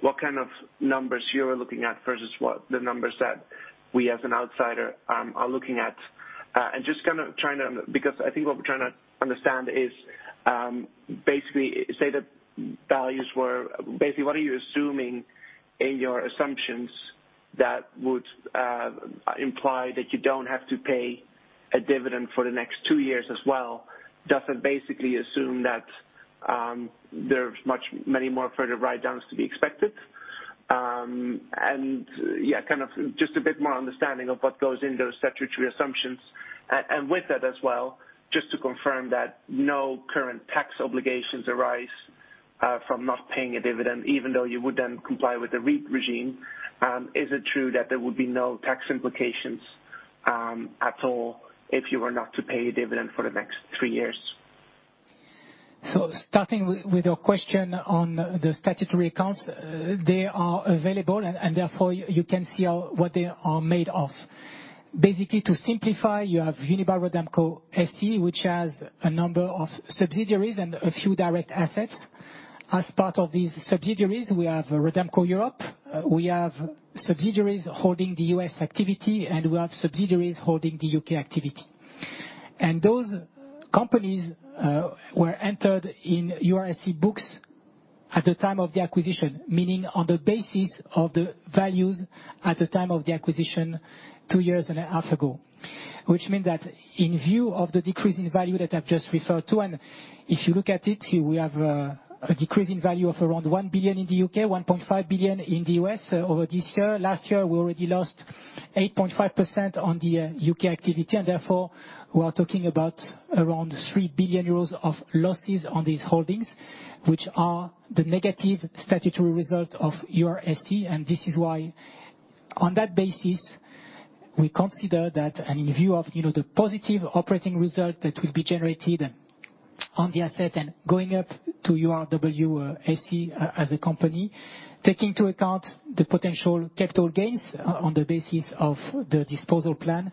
what kind of numbers you are looking at versus what the numbers that we, as an outsider, are looking at. I think what we're trying to understand is, basically, what are you assuming in your assumptions that would imply that you don't have to pay a dividend for the next two years as well doesn't basically assume that there's many more further write-downs to be expected? Yeah, just a bit more understanding of what goes into those statutory assumptions. With that as well, just to confirm that no current tax obligations arise from not paying a dividend, even though you would then comply with the REIT regime. Is it true that there would be no tax implications at all if you were not to pay a dividend for the next three years? Starting with your question on the statutory accounts, they are available, and therefore you can see what they are made of. Basically, to simplify, you have Unibail-Rodamco-Westfield SC, which has a number of subsidiaries and a few direct assets. As part of these subsidiaries, we have Rodamco Europe, we have subsidiaries holding the U.S. activity, and we have subsidiaries holding the U.K. activity. Those companies were entered in URW SE books at the time of the acquisition, meaning on the basis of the values at the time of the acquisition two years and a half ago. Which means that in view of the decrease in value that I've just referred to, if you look at it, we have a decrease in value of around 1 billion in the U.K., 1.5 billion in the U.S. over this year. Last year, we already lost 8.5% on the U.K. activity, and therefore, we are talking about around 3 billion euros of losses on these holdings, which are the negative statutory result of URW SE. This is why, on that basis, we consider that, and in view of the positive operating result that will be generated on the asset and going up to URW SE as a company. Taking into account the potential capital gains on the basis of the disposal plan,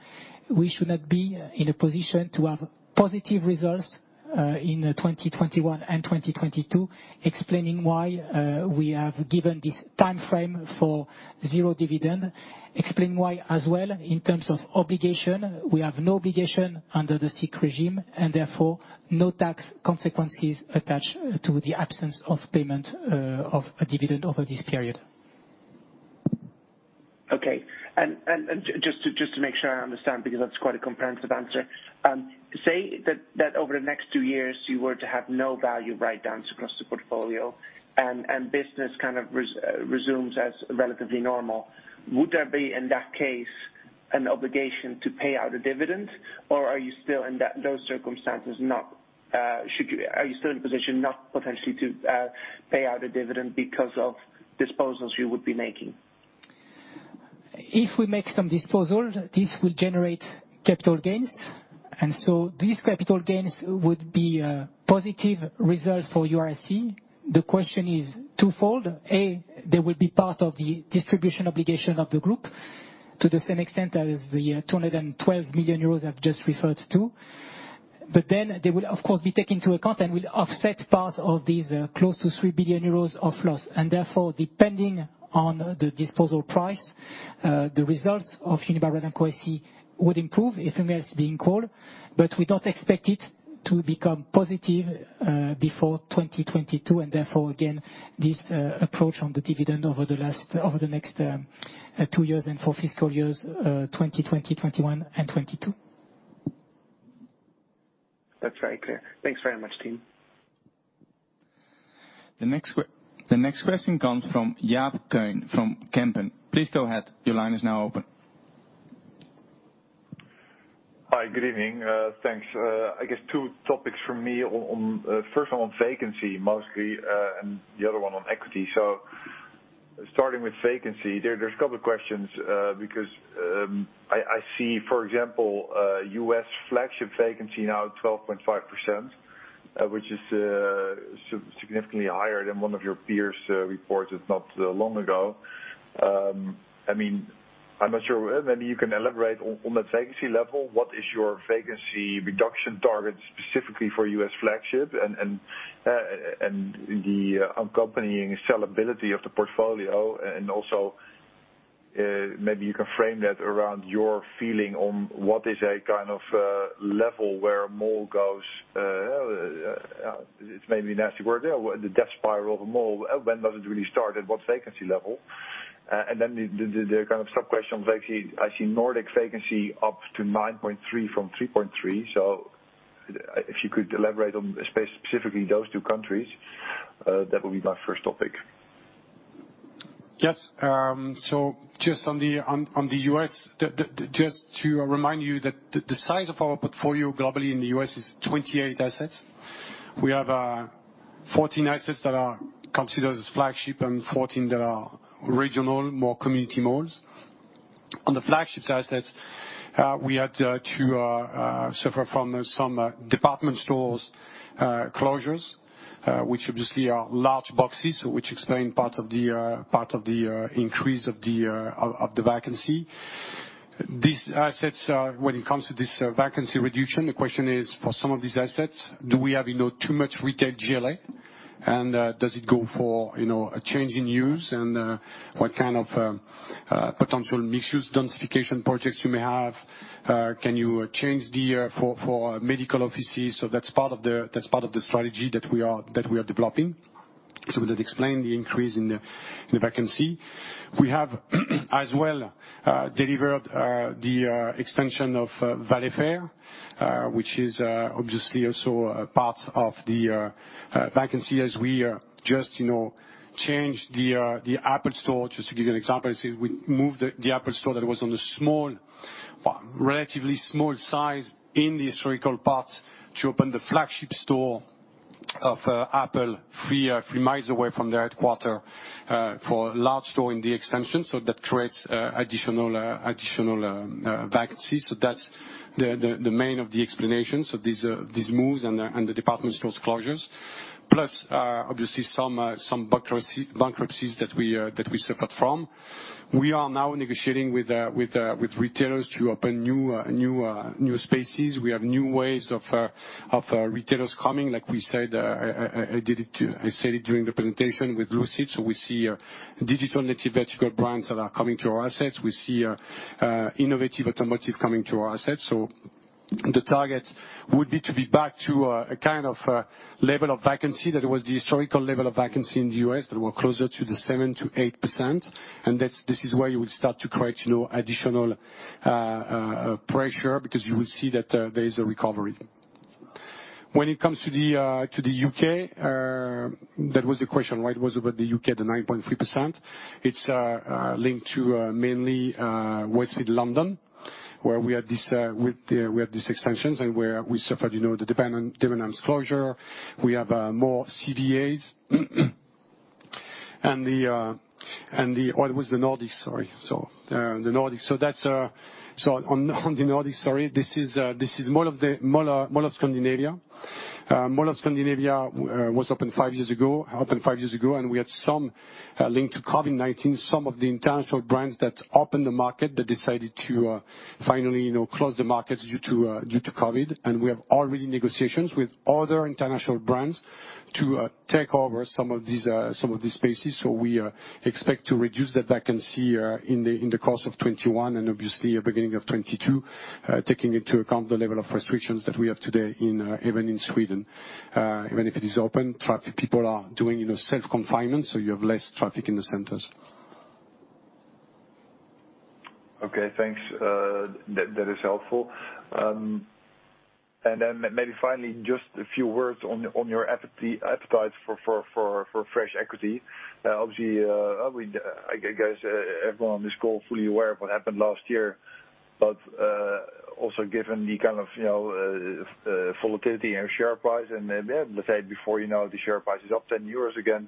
we should not be in a position to have positive results in 2021 and 2022, explaining why we have given this timeframe for zero dividend. Explain why as well, in terms of obligation, we have no obligation under the SIIC regime, and therefore no tax consequences attached to the absence of payment of a dividend over this period. Okay. Just to make sure I understand, because that's quite a comprehensive answer. Say that over the next two years you were to have no value write downs across the portfolio and business kind of resumes as relatively normal. Would there be, in that case, an obligation to pay out a dividend, or are you still in those circumstances, in a position not potentially to pay out a dividend because of disposals you would be making? If we make some disposals, this will generate capital gains. These capital gains would be a positive result for URW SE. The question is twofold. A, they will be part of the distribution obligation of the group to the same extent as the 212 million euros I've just referred to. They will, of course, be taken into account and will offset part of these close to 3 billion euros of loss. Therefore, depending on the disposal price, the results of Unibail-Rodamco-Westfield SC would improve if anything else being equal. We don't expect it to become positive before 2022, and therefore, again, this approach on the dividend over the next two years and for fiscal years 2020, 2021 and 2022. That's very clear. Thanks very much, team. The next question comes from Jaap Kuin from Kempen. Please go ahead. Hi. Good evening. Thanks. I guess two topics from me. First one on vacancy, mostly, the other one on equity. Starting with vacancy, there's a couple questions because I see, for example, U.S. flagship vacancy now at 12.5%, which is significantly higher than one of your peers reported not long ago. I'm not sure whether you can elaborate on that vacancy level. What is your vacancy reduction target specifically for U.S. flagship and the accompanying sellability of the portfolio? Also maybe you can frame that around your feeling on what is a level where a mall goes, it's maybe a nasty word, the death spiral of a mall. When does it really start? At what vacancy level? Then the sub-question on vacancy. I see Nordic vacancy up to 9.3% from 3.3%. If you could elaborate on specifically those two countries, that would be my first topic. Yes. Just on the U.S., just to remind you that the size of our portfolio globally in the U.S. is 28 assets. We have 14 assets that are considered as flagship and 14 that are regional, more community malls. On the flagship assets, we had to suffer from some department stores closures, which obviously are large boxes, which explain part of the increase of the vacancy. These assets are, when it comes to this vacancy reduction, the question is for some of these assets, do we have too much retail GLA and does it go for a change in use? What kind of potential mixed-use densification projects you may have? Can you change for medical offices? That's part of the strategy that we are developing. That explained the increase in the vacancy. We have as well delivered the expansion of Westfield Valley Fair, which is obviously also a part of the vacancy as we just changed the Apple Store. Just to give you an example, we moved the Apple Store that was on a relatively small size in the historical part to open the flagship store of Apple 3 mi away from their headquarter for a large store in the extension. That creates additional vacancies. That's the main of the explanation: these moves and the department stores closures, plus, obviously, some bankruptcies that we suffered from. We are now negotiating with retailers to open new spaces. We have new ways of retailers coming, like I said during the presentation with Lucid. We see digitally native vertical brands that are coming to our assets. We see innovative automotive coming to our assets. The target would be to be back to a kind of level of vacancy that was the historical level of vacancy in the U.S. that were closer to the 7%-8%. This is where you would start to create additional pressure because you will see that there is a recovery. When it comes to the U.K., that was the question, right? Was about the U.K., the 9.3%. It's linked to mainly Westfield London, where we have these extensions and where we suffered the Debenhams closure. We have more CVA. It was the Nordics, sorry. On the Nordics, sorry. This is Mall of Scandinavia. Mall of Scandinavia opened five years ago, and we had some link to Covid-19, some of the international brands that opened the market that decided to finally close the markets due to Covid. We have already negotiations with other international brands to take over some of these spaces. We expect to reduce that vacancy in the course of 2021 and obviously beginning of 2022, taking into account the level of restrictions that we have today even in Sweden. Even if it is open, people are doing self-confinement, so you have less traffic in the centers. Okay, thanks. That is helpful. Then maybe finally, just a few words on your appetite for fresh equity. Obviously, I guess everyone on this call is fully aware of what happened last year. Also given the kind of volatility in share price, and let's say before the share price is up 10 euros again,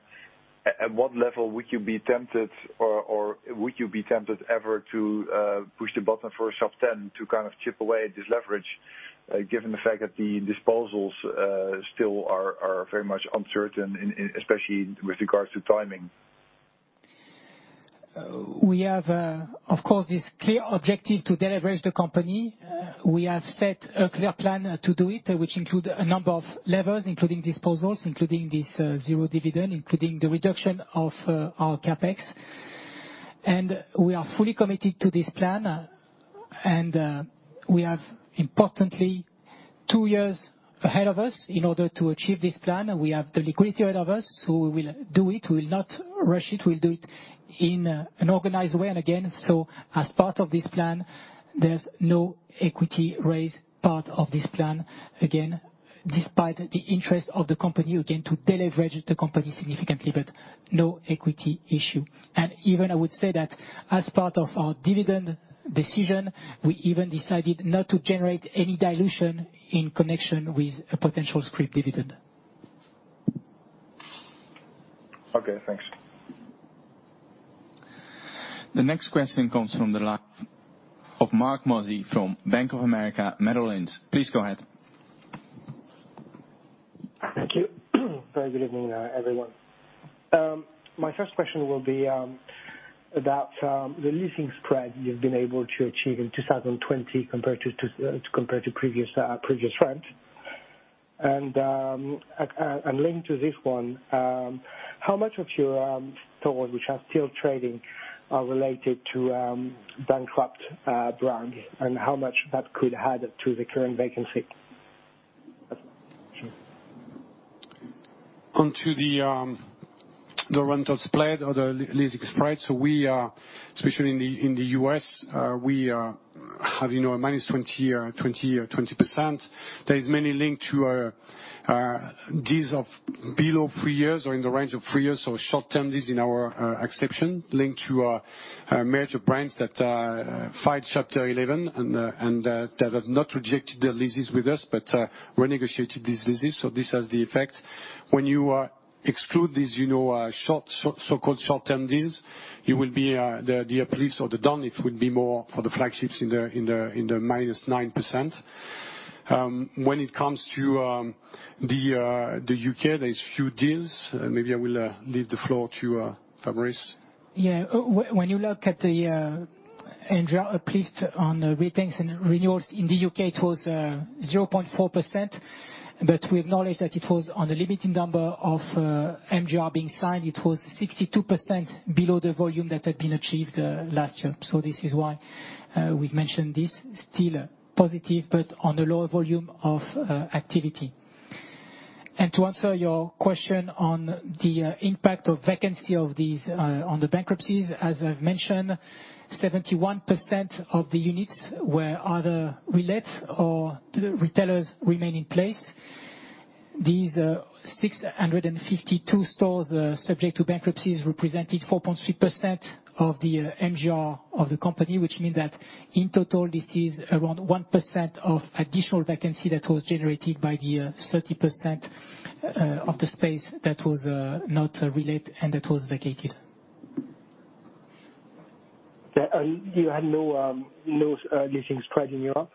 at what level would you be tempted or would you be tempted ever to push the button for a sub 10 to kind of chip away at this leverage, given the fact that the disposals still are very much uncertain, especially with regards to timing? We have, of course, this clear objective to de-leverage the company. We have set a clear plan to do it, which include a number of levers, including disposals, including this zero dividend, including the reduction of our CapEx. We are fully committed to this plan, and we have importantly two years ahead of us in order to achieve this plan. We have the liquidity ahead of us, we will do it. We will not rush it. We'll do it in an organized way. Again, as part of this plan, there's no equity raise part of this plan. Again, despite the interest of the company, again, to de-leverage the company significantly, no equity issue. Even I would say that as part of our dividend decision, we even decided not to generate any dilution in connection with a potential scrip dividend. Okay, thanks. The next question comes from the line of Marc Mozzi from Bank of America Merrill Lynch. Please go ahead. Thank you. Very good evening, everyone. My first question will be about the leasing spread you've been able to achieve in 2020 compared to previous rent. Linked to this one, how much of your stores which are still trading are related to bankrupt brand, and how much that could add to the current vacancy? To the rental spread or the leasing spread. We are, especially in the U.S., we are having a -20%. That is mainly linked to our deals of below three years or in the range of three years, short-term deals in our exception, linked to our major brands that filed Chapter 11 and that have not rejected their leases with us but renegotiated these leases. This has the effect. When you exclude these so-called short-term deals, the uplift or the down, it would be more for the flagships in the -9%. When it comes to the U.K., there's few deals. Maybe I will leave the floor to Fabrice. When you look at the MGR uplift on re-tenant and renewals in the U.K., it was 0.4%. We acknowledge that it was on the limiting number of MGR being signed. It was 62% below the volume that had been achieved last year. This is why we mentioned this. Still positive, but on a lower volume of activity. To answer your question on the impact of vacancy on the bankruptcies, as I've mentioned, 71% of the units were either relets or the retailers remain in place. These 652 stores subject to bankruptcies represented 4.3% of the MGR of the company, which means that in total, this is around 1% of additional vacancy that was generated by the 30% of the space that was not relet and that was vacated. Okay. You had no leasing spread in Europe?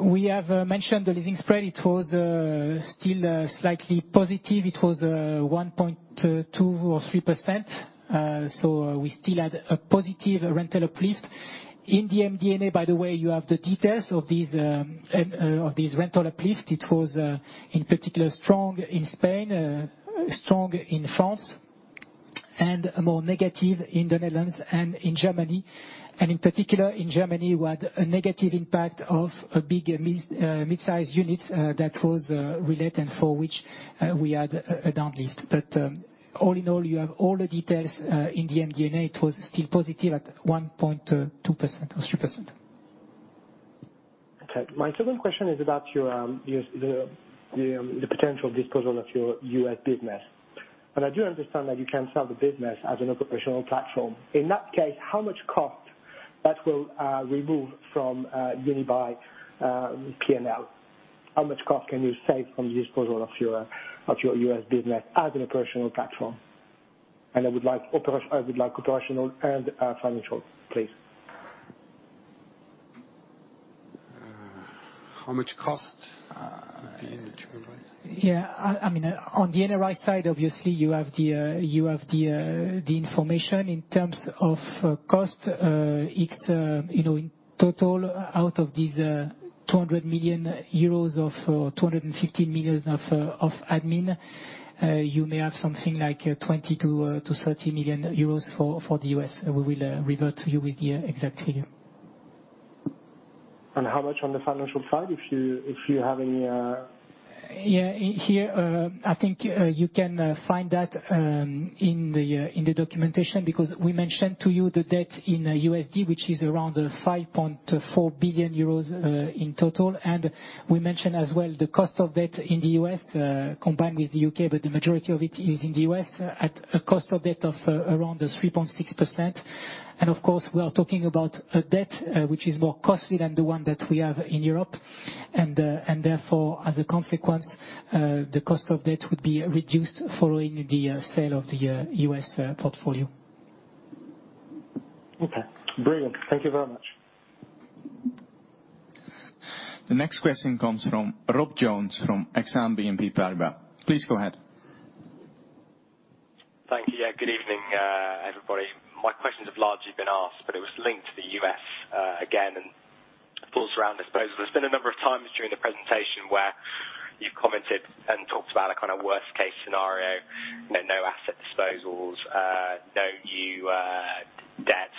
We have mentioned the leasing spread. It was still slightly positive. It was 1.2% or 3%. We still had a positive rental uplift. In the MD&A, by the way, you have the details of this rental uplift. It was, in particular, strong in Spain, strong in France, and more negative in the Netherlands and in Germany. In particular, in Germany, we had a negative impact of a big mid-size unit that was relet and for which we had a down lift. All in all, you have all the details in the MD&A. It was still positive at 1.2% or 3%. Okay. My second question is about the potential disposal of your U.S. business. I do understand that you can sell the business as an operational platform. In that case, how much cost that will remove from Unibail P&L? How much cost can you save from the disposal of your U.S. business as an operational platform? I would like operational and financial, please. How much cost? Yeah. On the NRI side, obviously, you have the information in terms of cost. In total, out of these 200 million euros or 250 million of admin, you may have something like 20 million-30 million euros for the U.S. We will revert to you with the exact figure. How much on the financial side, if you have any? Yeah. I think you can find that in the documentation, because we mentioned to you the debt in USD, which is around 5.4 billion euros in total. We mentioned as well, the cost of debt in the U.S. combined with the U.K., but the majority of it is in the U.S., at a cost of debt of around the 3.6%. Of course, we are talking about a debt which is more costly than the one that we have in Europe. Therefore, as a consequence, the cost of debt would be reduced following the sale of the U.S. portfolio. Okay, brilliant. Thank you very much. The next question comes from Rob Jones from Exane BNP Paribas. Please go ahead. Thank you. Good evening, everybody. My questions have largely been asked, but it was linked to the U.S. again, and pulls around disposals. There's been a number of times during the presentation where you've commented and talked about a kind of worst case scenario, no asset disposals, no new debt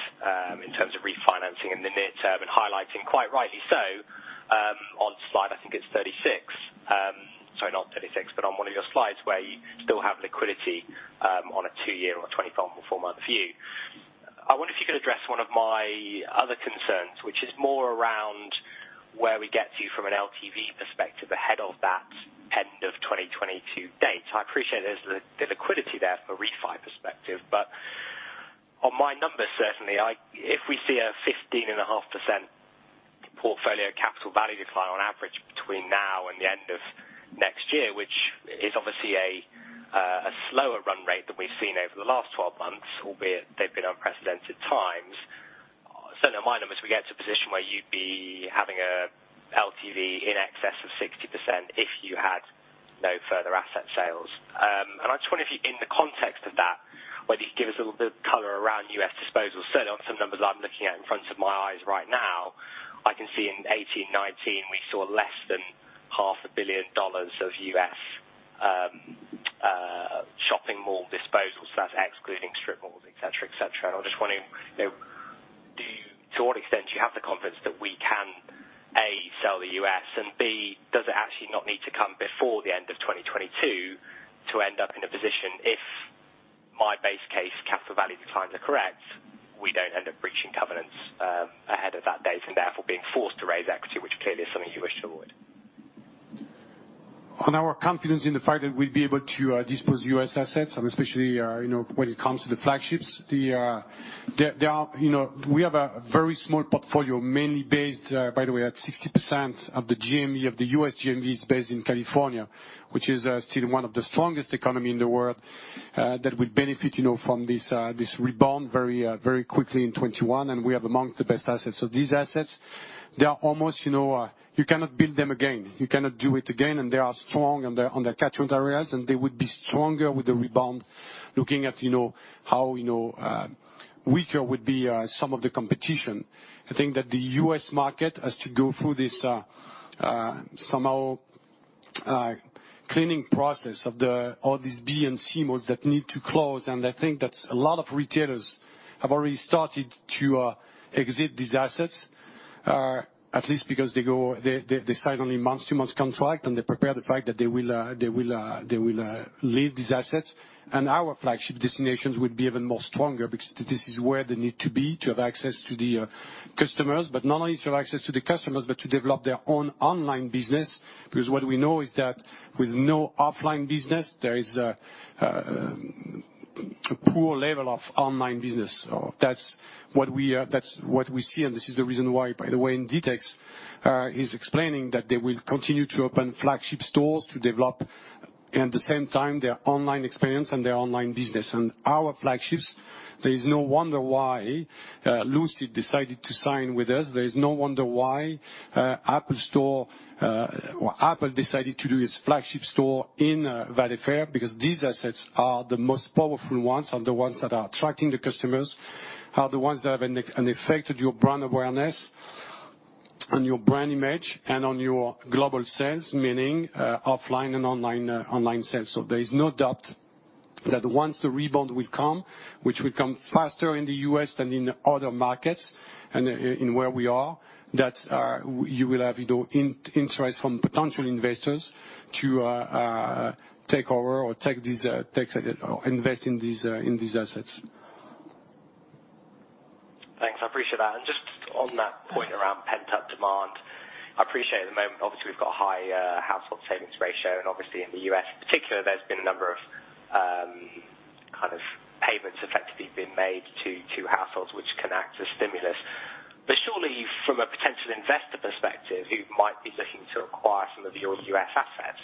in terms of refinancing in the near term, and highlighting, quite rightly so, on slide, I think it's 36. Sorry, not 36, but on one of your slides where you still have liquidity on a two-year or a 24-month view. I wonder if you could address one of my other concerns, which is more around where we get to from an LTV perspective ahead of that end of 2022 date. I appreciate there's the liquidity there from a refi perspective, on my numbers, certainly, if we see a 15.5% portfolio capital value decline on average between now and the end of next year, which is obviously a slower run rate than we've seen over the last 12 months, albeit they've been unprecedented times. Certainly, my numbers, we get to a position where you'd be having an LTV in excess of 60% if you had no further asset sales. I just wonder if you, in the context of that, whether you could give us a little bit of color around U.S. disposals. Certainly, on some numbers I'm looking at in front of my eyes right now, I can see in 2018, 2019, we saw less than half a billion dollars of U.S. shopping mall disposals. That's excluding strip malls, et cetera. I was just wondering to what extent do you have the confidence that we can, A, sell the U.S. and B, does it actually not need to come before the end of 2022 to end up in a position if my base case capital value declines are correct, we don't end up breaching covenants ahead of that date and therefore being forced to raise equity, which clearly is something you wish to avoid. On our confidence in the fact that we'll be able to dispose U.S. assets, and especially when it comes to the flagships. We have a very small portfolio, mainly based, by the way, at 60% of the GMV of the U.S. GMV is based in California, which is still one of the strongest economy in the world that will benefit from this rebound very quickly in 2021. We are amongst the best assets. These assets, you cannot build them again. You cannot do it again, and they are strong on their catchment areas, and they would be stronger with the rebound looking at how weaker would be some of the competition. I think that the U.S. market has to go through this somehow cleaning process of all these B and C malls that need to close. I think that a lot of retailers have already started to exit these assets, at least because they sign only month-to-month contract, and they prepare the fact that they will leave these assets. Our flagship destinations would be even more stronger because this is where they need to be to have access to the customers. Not only to have access to the customers, but to develop their own online business. What we know is that with no offline business, there is a poor level of online business. That's what we see, and this is the reason why, by the way, Inditex is explaining that they will continue to open flagship stores to develop, at the same time, their online experience and their online business. Our flagships, there is no wonder why Lucid decided to sign with us. There is no wonder why Apple decided to do its flagship store in Valley Fair, because these assets are the most powerful ones, are the ones that are attracting the customers, are the ones that have an effect on your brand awareness, on your brand image, and on your global sales, meaning, offline and online sales. There is no doubt that once the rebound will come, which will come faster in the U.S. than in other markets and in where we are, that you will have interest from potential investors to take over or invest in these assets. Thanks. I appreciate that. Just on that point around pent-up demand, I appreciate at the moment, obviously, we've got a high household savings ratio, and obviously in the U.S. particularly, there's been a number of payments effectively being made to households which can act as stimulus. Surely, from a potential investor perspective, who might be looking to acquire some of your U.S. assets,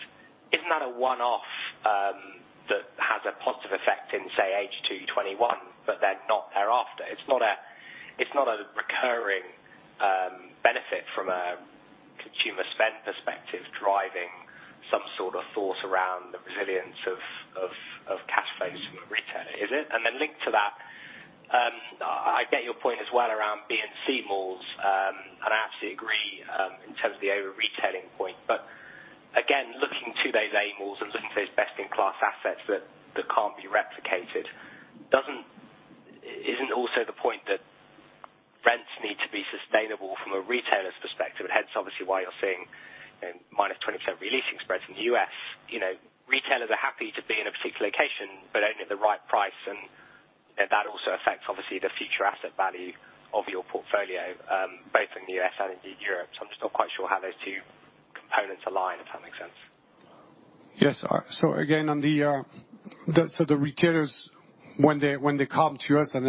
isn't that a one-off that has a positive effect in, say, H2 2021, but then not thereafter? It's not a recurring benefit from a consumer spend perspective, driving some sort of thought around the resilience of cash flows from a retailer, is it? Then linked to that, I get your point as well around B and C malls, and I absolutely agree in terms of the over-retailing point. Again, looking to those A malls and looking to those best-in-class assets that can't be replicated, isn't also the point that rents need to be sustainable from a retailer's perspective? Hence, obviously, why you're seeing minus 20% reletting spreads in the U.S. Retailers are happy to be in a particular location, but only at the right price, and that also affects, obviously, the future asset value of your portfolio, both in the U.S. and indeed Europe. I'm just not quite sure how those two components align, if that makes sense. Yes. Again, the retailers, when they come to us and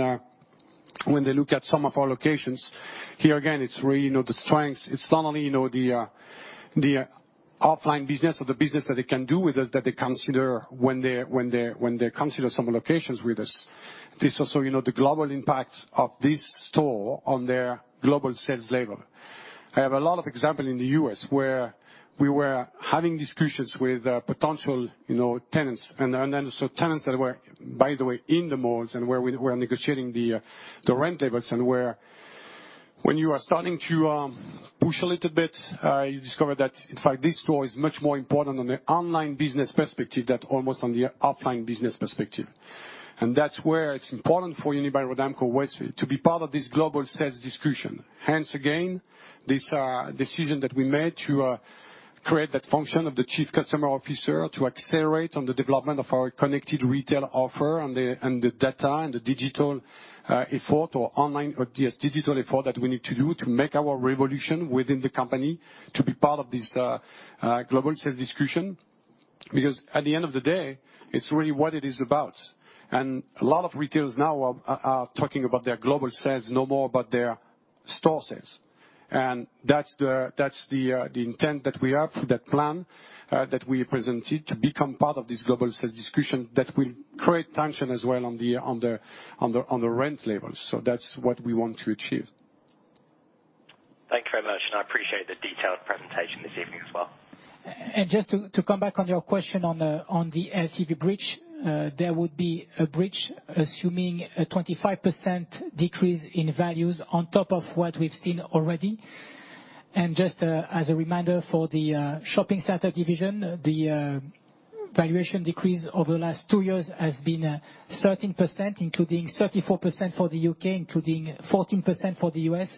when they look at some of our locations, here again, it's really the strengths. It's not only the offline business or the business that they can do with us that they consider when they consider some locations with us. This also the global impact of this store on their global sales level. I have a lot of example in the U.S., where we were having discussions with potential tenants, and then some tenants that were, by the way, in the malls and where we were negotiating the rent levels. When you are starting to push a little bit, you discover that, in fact, this store is much more important on the online business perspective than almost on the offline business perspective. That's where it's important for Unibail-Rodamco-Westfield to be part of this global sales discussion. Again, this decision that we made to create that function of the Chief Customer Officer to accelerate on the development of our Connected Retail offer and the data and the digital effort, or online or DS digital effort that we need to do to make our revolution within the company to be part of this global sales discussion. At the end of the day, it's really what it is about. A lot of retailers now are talking about their global sales, no more about their store sales. That's the intent that we have for that plan that we presented to become part of this global sales discussion that will create tension as well on the rent levels. That's what we want to achieve. Thanks very much, and I appreciate the detailed presentation this evening as well. Just to come back on your question on the LTV bridge, there would be a bridge assuming a 25% decrease in values on top of what we've seen already. Just as a reminder for the shopping center division, the valuation decrease over the last two years has been 13%, including 34% for the U.K., including 14% for the U.S.,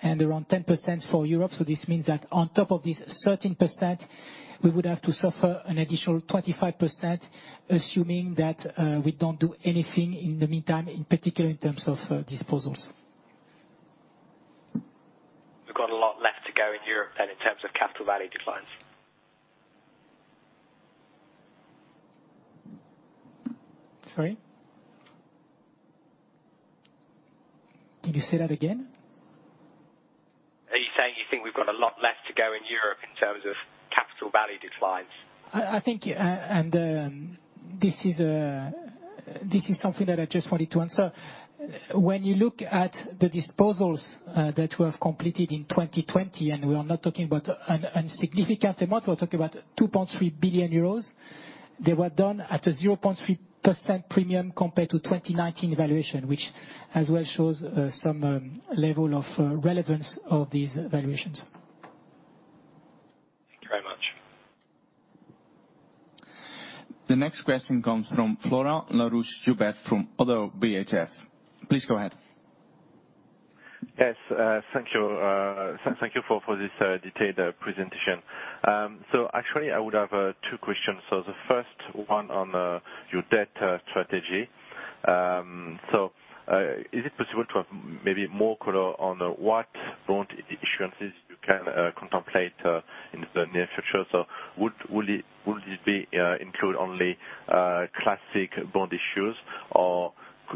and around 10% for Europe. This means that on top of this 13%, we would have to suffer an additional 25%, assuming that we don't do anything in the meantime, in particular, in terms of disposals. We've got a lot left to go in Europe then in terms of capital value declines. Sorry? Can you say that again? Are you saying you think we've got a lot left to go in Europe in terms of capital value declines? This is something that I just wanted to answer. When you look at the disposals that we have completed in 2020, we are not talking about an insignificant amount, we're talking about 2.3 billion euros. They were done at a 0.3% premium compared to 2019 valuation, which as well shows some level of relevance of these valuations. Thank you very much. The next question comes from Florent Laroche-Joubert from ODDO BHF. Please go ahead. Yes, thank you. Thank you for this detailed presentation. Actually, I would have two questions. The first one on your debt strategy. Is it possible to have maybe more color on what bond issuances you can contemplate in the near future? Would it include only classic bond issues, or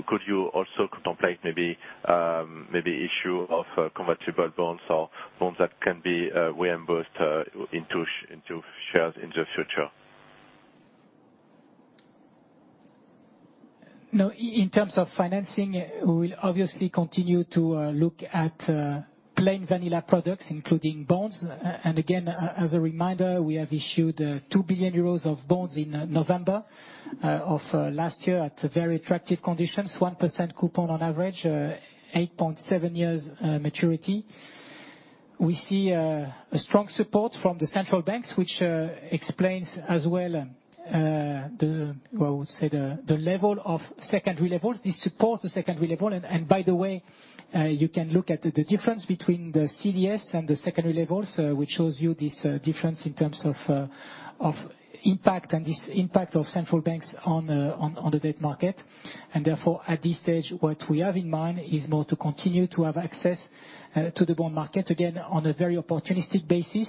could you also contemplate maybe issue of convertible bonds or bonds that can be reimbursed into shares in the future? No, in terms of financing, we'll obviously continue to look at plain vanilla products, including bonds. Again, as a reminder, we have issued 2 billion euros of bonds in November of last year at very attractive conditions, 1% coupon on average, 8.7 years maturity. We see a strong support from the central banks, which explains as well, I would say the level of secondary levels. This supports the secondary level. By the way, you can look at the difference between the CDS and the secondary levels, which shows you this difference in terms of impact and this impact of central banks on the debt market. Therefore, at this stage, what we have in mind is more to continue to have access to the bond market, again, on a very opportunistic basis,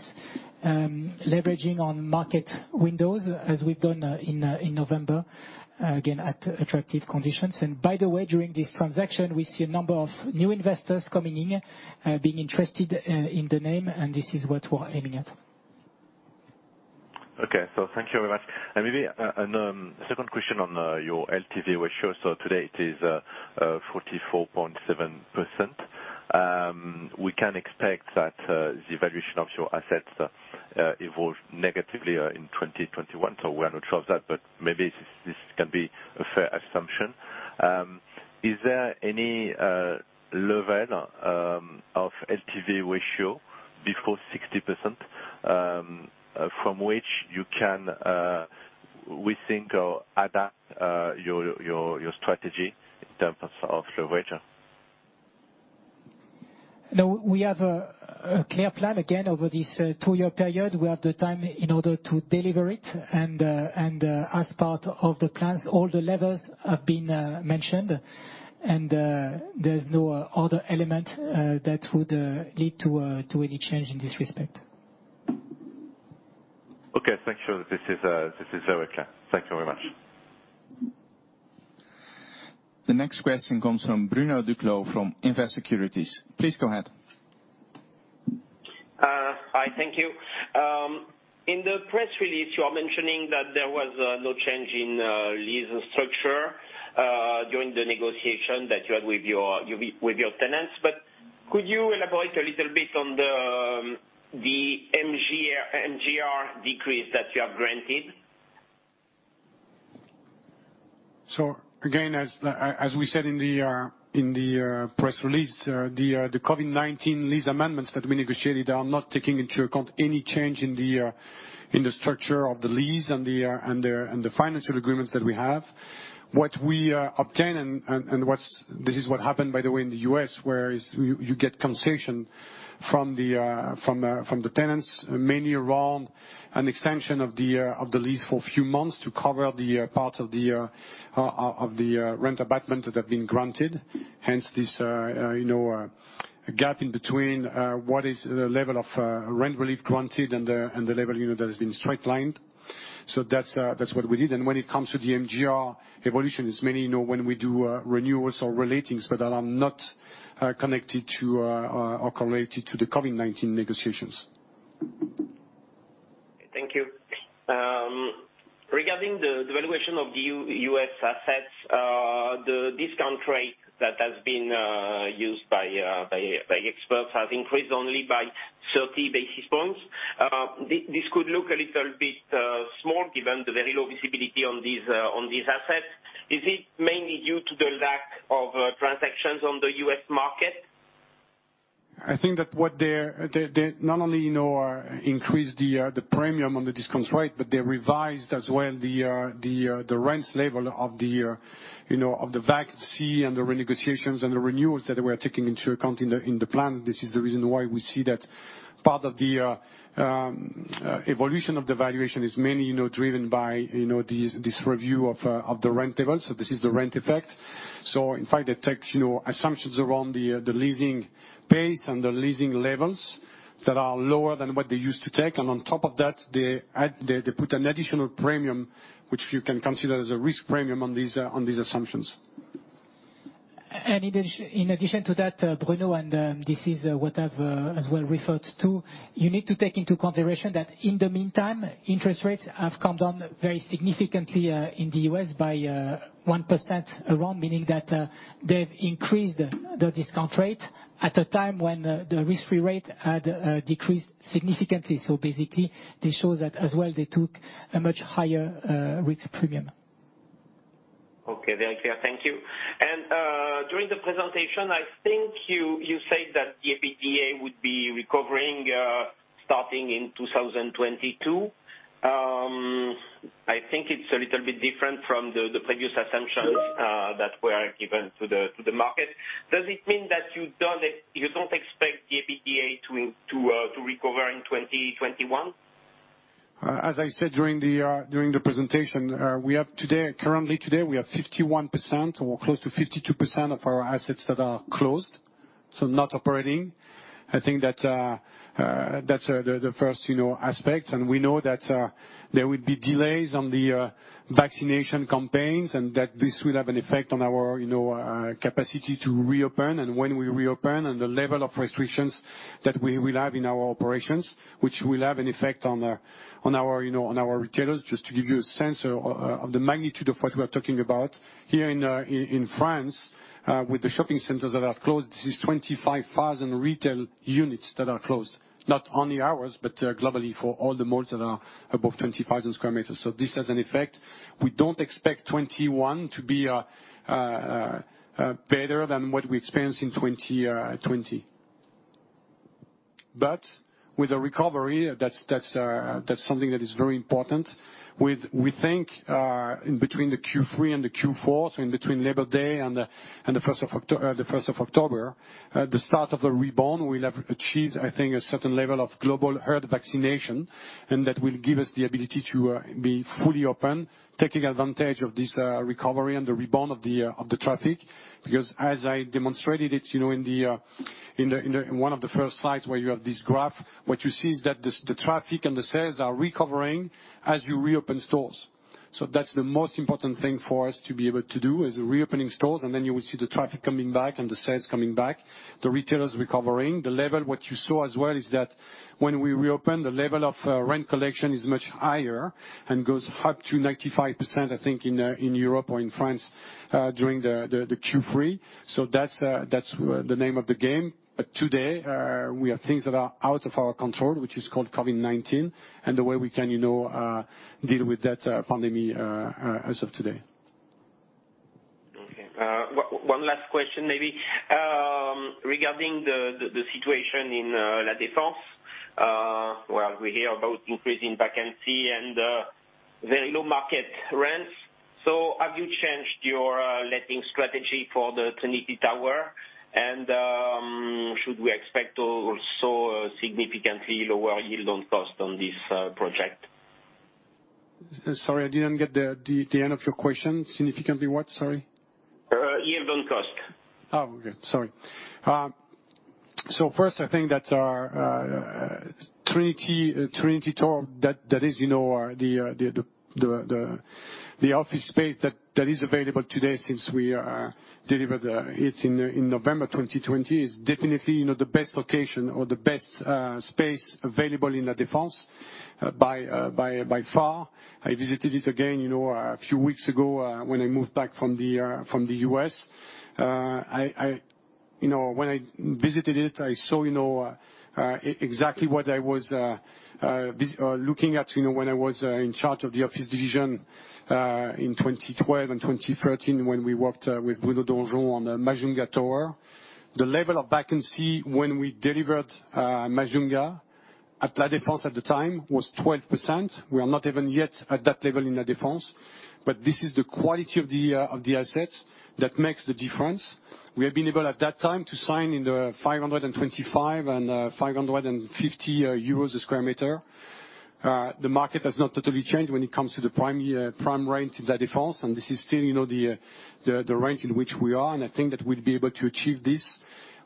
leveraging on market windows as we've done in November, again, at attractive conditions. By the way, during this transaction, we see a number of new investors coming in, being interested in the name, and this is what we're aiming at. Okay. Thank you very much. Maybe a second question on your LTV ratio. Today it is 44.7%. We can expect that the valuation of your assets evolve negatively in 2021. We are not sure of that, but maybe this can be a fair assumption. Is there any level of LTV ratio before 60%, from which you can, we think, adapt your strategy in terms of the ratio? No, we have a clear plan again, over this two-year period. We have the time in order to deliver it. As part of the plans, all the levers have been mentioned. There's no other element that would lead to any change in this respect. Okay. Thank you. This is very clear. Thank you very much. The next question comes from Bruno Duclos from Invest Securities. Please go ahead. Hi. Thank you. In the press release, you are mentioning that there was no change in lease structure during the negotiation that you had with your tenants. Could you elaborate a little bit on the MGR decrease that you have granted? Again, as we said in the press release, the COVID-19 lease amendments that we negotiated are not taking into account any change in the structure of the lease and the financial agreements that we have. What we obtain, and this is what happened, by the way, in the U.S., where you get concession from the tenants, mainly around an extension of the lease for a few months to cover the part of the rent abatement that have been granted. Hence, this gap in between what is the level of rent relief granted and the level that has been straight-lined. That's what we did. When it comes to the MGR evolution, as many know, when we do renewals or relatings, but that are not connected to or correlated to the COVID-19 negotiations. Thank you. Regarding the valuation of the U.S. assets, the discount rate that has been used by experts has increased only by 30 basis points. This could look a little bit small given the very low visibility on these assets. Is it mainly due to the lack of transactions on the U.S. market? I think that what they not only increased the premium on the discount rate, but they revised as well the rents level of the vacancy and the renegotiations and the renewals that we are taking into account in the plan. This is the reason why we see that part of the evolution of the valuation is mainly driven by this review of the rent levels. This is the rent effect. In fact, they take assumptions around the leasing pace and the leasing levels that are lower than what they used to take. On top of that, they put an additional premium, which you can consider as a risk premium on these assumptions. In addition to that, Bruno, and this is what I've as well referred to. You need to take into consideration that in the meantime, interest rates have come down very significantly in the U.S. by 1% around, meaning that they've increased the discount rate at a time when the risk-free rate had decreased significantly. Basically, this shows that as well, they took a much higher risk premium. Okay, very clear. Thank you. During the presentation, I think you said that the EBITDA would be recovering starting in 2022. I think it's a little bit different from the previous assumptions that were given to the market. Does it mean that you don't expect the EBITDA to recover in 2021? As I said during the presentation, currently today we have 51% or close to 52% of our assets that are closed, so not operating. I think that's the first aspect. We know that there will be delays on the vaccination campaigns, and that this will have an effect on our capacity to reopen and when we reopen, and the level of restrictions that we will have in our operations. Which will have an effect on our retailers. Just to give you a sense of the magnitude of what we are talking about, here in France, with the shopping centers that are closed, this is 25,000 retail units that are closed. Not only ours, but globally for all the malls that are above 25,000 sq m. This has an effect. We don't expect 2021 to be better than what we experienced in 2020. With a recovery, that's something that is very important. We think in between the Q3 and the Q4, so in between Labor Day and the 1st of October, the start of the rebound, we'll have achieved, I think, a certain level of global herd vaccination, and that will give us the ability to be fully open, taking advantage of this recovery and the rebound of the traffic. As I demonstrated it in one of the first slides where you have this graph, what you see is that the traffic and the sales are recovering as you reopen stores. That's the most important thing for us to be able to do, is reopening stores, and then you will see the traffic coming back and the sales coming back, the retailers recovering. The level, what you saw as well is that when we reopen, the level of rent collection is much higher and goes up to 95%, I think, in Europe or in France during the Q3. That's the name of the game. Today, we have things that are out of our control, which is called Covid-19, and the way we can deal with that pandemic as of today. Okay. One last question, maybe. Regarding the situation in La Défense, where we hear about increasing vacancy and very low market rents. Have you changed your letting strategy for the Trinity Tower, and should we expect also a significantly lower yield on cost on this project? Sorry, I didn't get the end of your question. Significantly what, sorry? Yield on cost. Oh, okay. Sorry. First, I think that Trinity Tower, that is the office space that is available today since we delivered it in November 2020, is definitely the best location or the best space available in La Défense by far. I visited it again a few weeks ago, when I moved back from the U.S. When I visited it, I saw exactly what I was looking at when I was in charge of the office division in 2012 and 2013 when we worked with Bruno Donjon on the Majunga Tower. The level of vacancy when we delivered Majunga at La Défense at the time was 12%. We are not even yet at that level in La Défense, but this is the quality of the assets that makes the difference. We have been able at that time to sign in the 525 and 550 euros a square meter. The market has not totally changed when it comes to the prime rent in La Défense. This is still the range in which we are. I think that we'll be able to achieve this.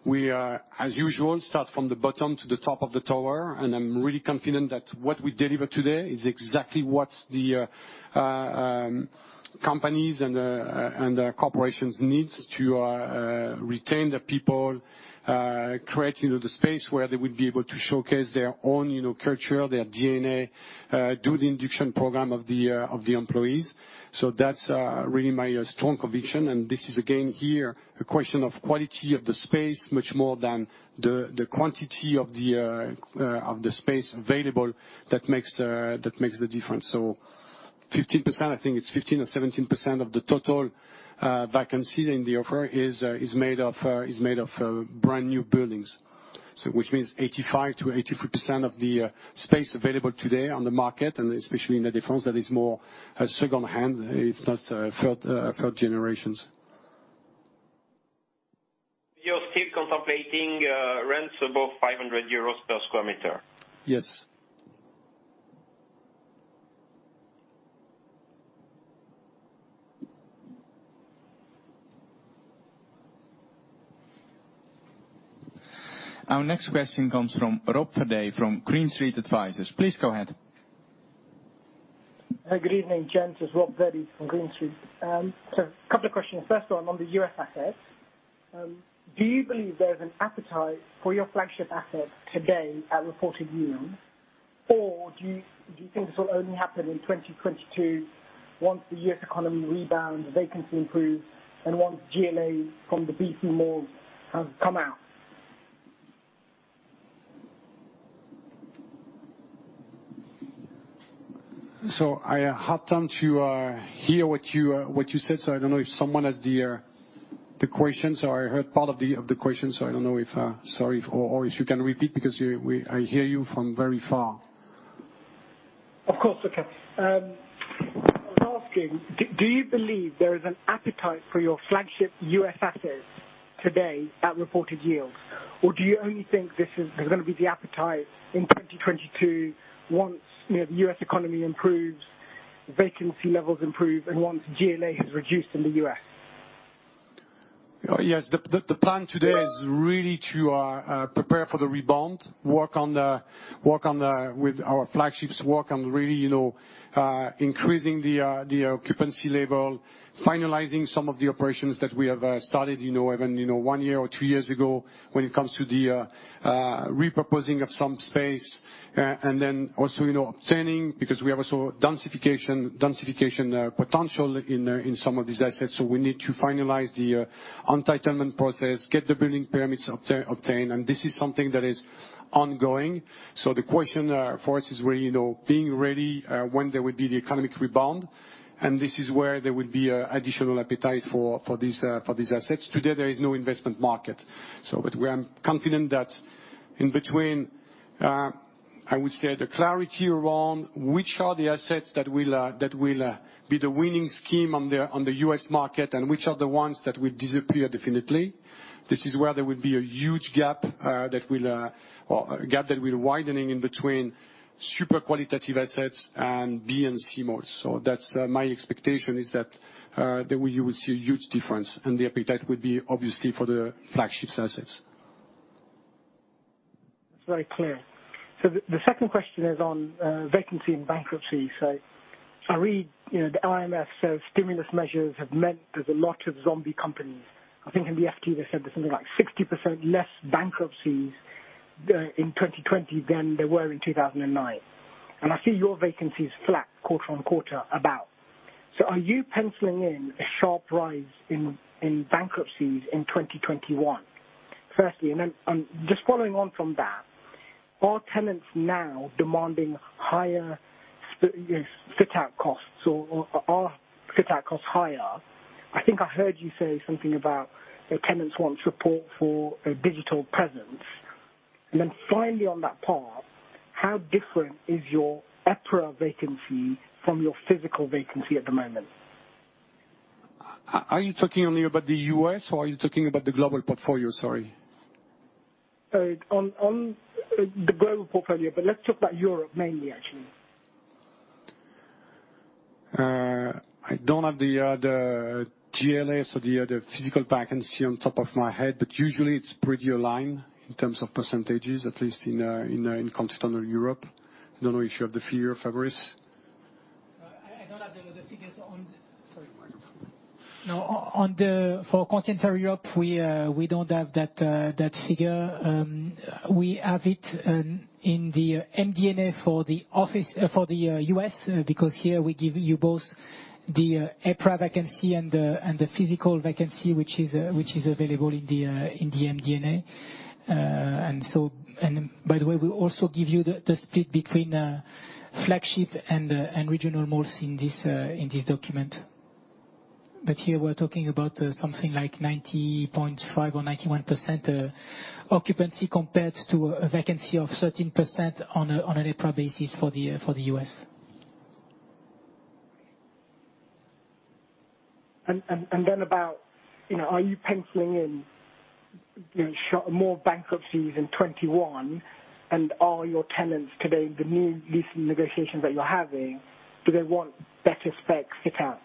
We, as usual, start from the bottom to the top of the tower. I'm really confident that what we deliver today is exactly what the companies and the corporations needs to retain their people, create the space where they would be able to showcase their own culture, their DNA, do the induction program of the employees. That's really my strong conviction. This is again, here, a question of quality of the space much more than the quantity of the space available that makes the difference. 15%, I think it's 15% or 17% of the total vacancy in the offer is made of brand new buildings. Which means 85%-83% of the space available today on the market, and especially in La Défense, that is more secondhand. It's not third generation. You're still contemplating rents above 500 euros per square meter? Yes. Our next question comes from Rob Virdee from Green Street Advisors. Please go ahead. Hey, good evening, gents. It's Rob Virdee from Green Street. A couple of questions. First one on the U.S. assets. Do you believe there's an appetite for your flagship assets today at reported yields? Do you think this will only happen in 2022 once the U.S. economy rebounds, vacancy improves, and once GLAs from the BC malls have come out? I had time to hear what you said, so I don't know if someone has the question, so I heard part of the question, so I don't know, sorry, or if you can repeat because I hear you from very far. Of course. Okay. I was asking, do you believe there is an appetite for your flagship U.S. assets today at reported yields? Do you only think this is going to be the appetite in 2022 once the U.S. economy improves, vacancy levels improve, and once GLA has reduced in the U.S.? Yes. The plan today is really to prepare for the rebound, work with our flagships, work on really increasing the occupancy level, finalizing some of the operations that we have started, even one year or two years ago, when it comes to the repurposing of some space. Also obtaining, because we have also densification potential in some of these assets. We need to finalize the entitlement process, get the building permits obtained, and this is something that is ongoing. The question for us is really being ready when there will be the economic rebound. This is where there will be additional appetite for these assets. Today, there is no investment market. I'm confident that in between, I would say, the clarity around which are the assets that will be the winning scheme on the U.S. market and which are the ones that will disappear definitely. This is where there will be a huge gap Or a gap that will widening in between super qualitative assets and B and C malls. That's my expectation is that you will see a huge difference, and the appetite will be obviously for the flagships assets. That's very clear. The second question is on vacancy and bankruptcy. I read the IMF says stimulus measures have meant there's a lot of zombie companies. I think in the FT they said there's something like 60% less bankruptcies in 2020 than there were in 2009. I see your vacancy is flat quarter on quarter about. Are you penciling in a sharp rise in bankruptcies in 2021, firstly? Then just following on from that, are tenants now demanding higher fit-out costs or are fit-out costs higher? I think I heard you say something about tenants want support for a digital presence. Then finally, on that path, how different is your EPRA vacancy from your physical vacancy at the moment? Are you talking only about the U.S. or are you talking about the global portfolio? Sorry. On the global portfolio, but let's talk about Europe mainly, actually. I don't have the other GLAs or the other physical vacancy on top of my head, but usually, it's pretty aligned in terms of percentages, at least in continental Europe. I don't know if you have the figure, Fabrice. I don't have the figures on Sorry, Marco. For continental Europe, we don't have that figure. We have it in the MD&A for the U.S. because here we give you both the EPRA vacancy and the physical vacancy, which is available in the MD&A. By the way, we also give you the split between flagship and regional malls in this document. Here we're talking about something like 90.5% or 91% occupancy compared to a vacancy of 13% on an EPRA basis for the U.S. About, are you penciling in more bankruptcies in 2021? Are your tenants today, the new leasing negotiations that you're having, do they want better spec fit-outs?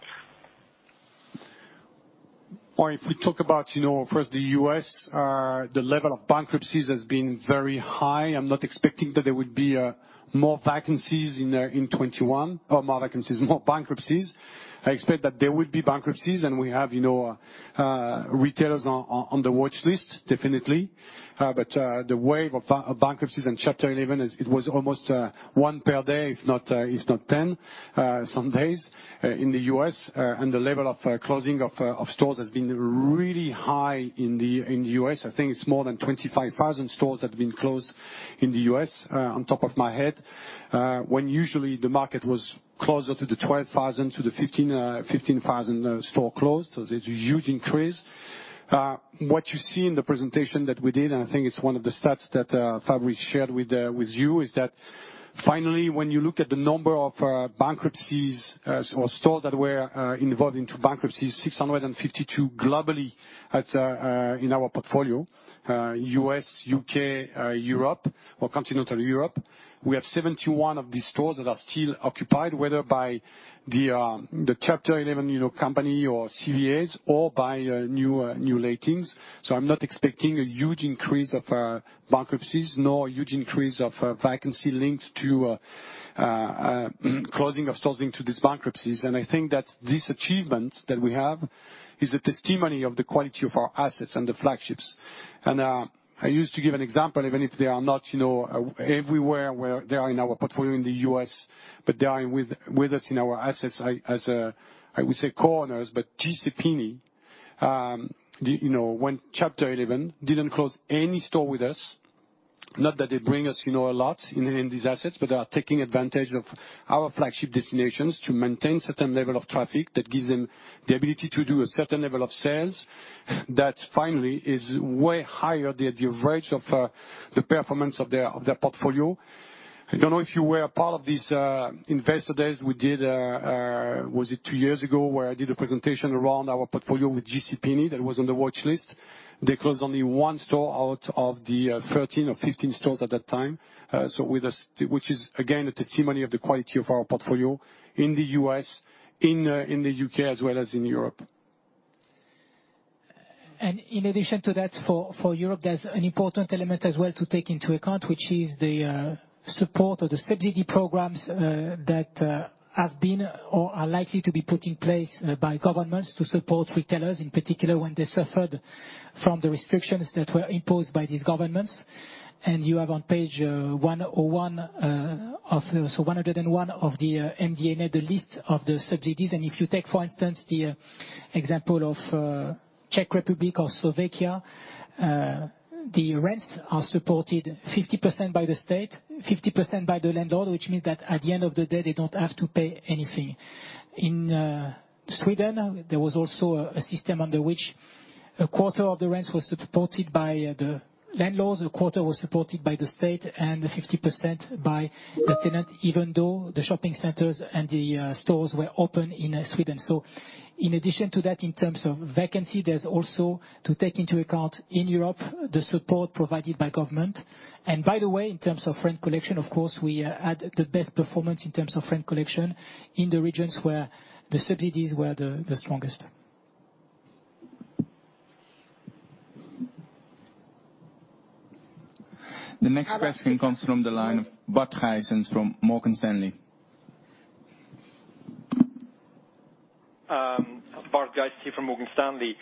If we talk about first the U.S., the level of bankruptcies has been very high. I'm not expecting that there would be more vacancies in 2021. More vacancies, more bankruptcies. I expect that there would be bankruptcies, and we have retailers on the watchlist, definitely. The wave of bankruptcies and Chapter 11, it was almost one per day, if not 10 some days in the U.S. The level of closing of stores has been really high in the U.S. I think it's more than 25,000 stores that have been closed in the U.S., on top of my head. When usually the market was closer to the 12,000 to the 15,000 store closed. There's a huge increase. What you see in the presentation that we did, I think it's one of the stats that Fabrice shared with you, is that finally, when you look at the number of bankruptcies or stores that were involved into bankruptcies, 652 globally in our portfolio, U.S., U.K., Europe or continental Europe. We have 71 of these stores that are still occupied, whether by the Chapter 11 company or CVAs or by new lettings. I'm not expecting a huge increase of bankruptcies, nor a huge increase of vacancy linked to closing of stores into these bankruptcies. I think that this achievement that we have is a testimony of the quality of our assets and the flagships. I used to give an example, even if they are not everywhere where they are in our portfolio in the U.S., but they are with us in our assets, as I would say, co-owners, but J.C. Penney went Chapter 11, didn't close any store with us. Not that they bring us a lot in these assets, but are taking advantage of our flagship destinations to maintain certain level of traffic that gives them the ability to do a certain level of sales, that finally is way higher the average of the performance of their portfolio. I don't know if you were a part of this investor days we did, was it two years ago, where I did a presentation around our portfolio with J.C. Penney that was on the watchlist. They closed only one store out of the 13 or 15 stores at that time. Which is again, a testimony of the quality of our portfolio in the U.S., in the U.K., as well as in Europe. In addition to that, for Europe, there's an important element as well to take into account, which is the support of the subsidy programs that have been or are likely to be put in place by governments to support retailers, in particular, when they suffered from the restrictions that were imposed by these governments. You have on page 101 of the MD&A, the list of the subsidies. If you take, for instance, the example of Czech Republic or Slovakia, the rents are supported 50% by the state, 50% by the landlord, which means that at the end of the day, they don't have to pay anything. In Sweden, there was also a system under which a quarter of the rents was supported by the landlords, a quarter was supported by the state, and the 50% by the tenant, even though the shopping centers and the stores were open in Sweden. In addition to that, in terms of vacancy, there's also to take into account in Europe, the support provided by government. By the way, in terms of rent collection, of course, we had the best performance in terms of rent collection in the regions where the subsidies were the strongest. The next question comes from the line of Bart Gysens from Morgan Stanley. Bart Gysens from Morgan Stanley.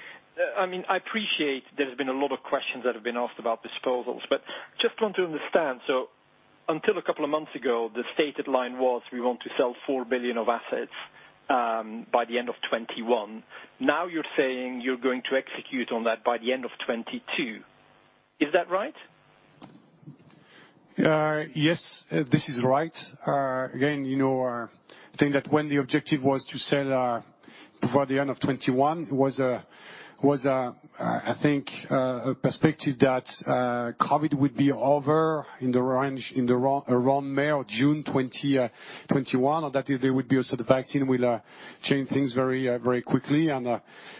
I appreciate there's been a lot of questions that have been asked about disposals. Just want to understand. Until a couple of months ago, the stated line was, we want to sell 4 billion of assets by the end of 2021. Now you're saying you're going to execute on that by the end of 2022. Is that right? Yes, this is right. I think that when the objective was to sell before the end of 2021, it was, I think, a perspective that COVID would be over in around May or June 2021, or that there would be also the vaccine will change things very quickly.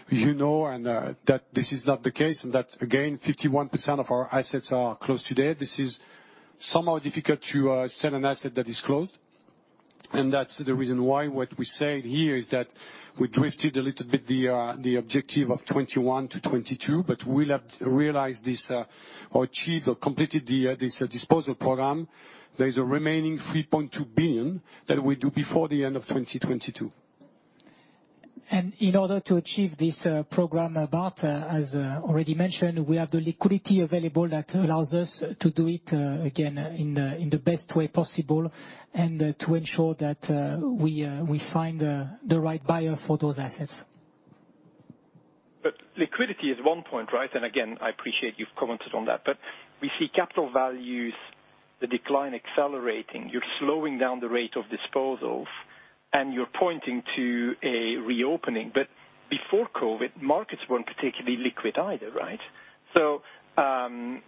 You know that this is not the case, and that, again, 51% of our assets are closed today. This is somehow difficult to sell an asset that is closed. That's the reason why what we said here is that we drifted a little bit the objective of 2021 to 2022, but we'll have to realize this or achieve or complete this disposal program. There is a remaining 3.2 billion that we do before the end of 2022. In order to achieve this program, Bart, as already mentioned, we have the liquidity available that allows us to do it again in the best way possible and to ensure that we find the right buyer for those assets. Liquidity is one point, right? Again, I appreciate you've commented on that. We see capital values, the decline accelerating, you're slowing down the rate of disposals, and you're pointing to a reopening. Before COVID, markets weren't particularly liquid either, right? From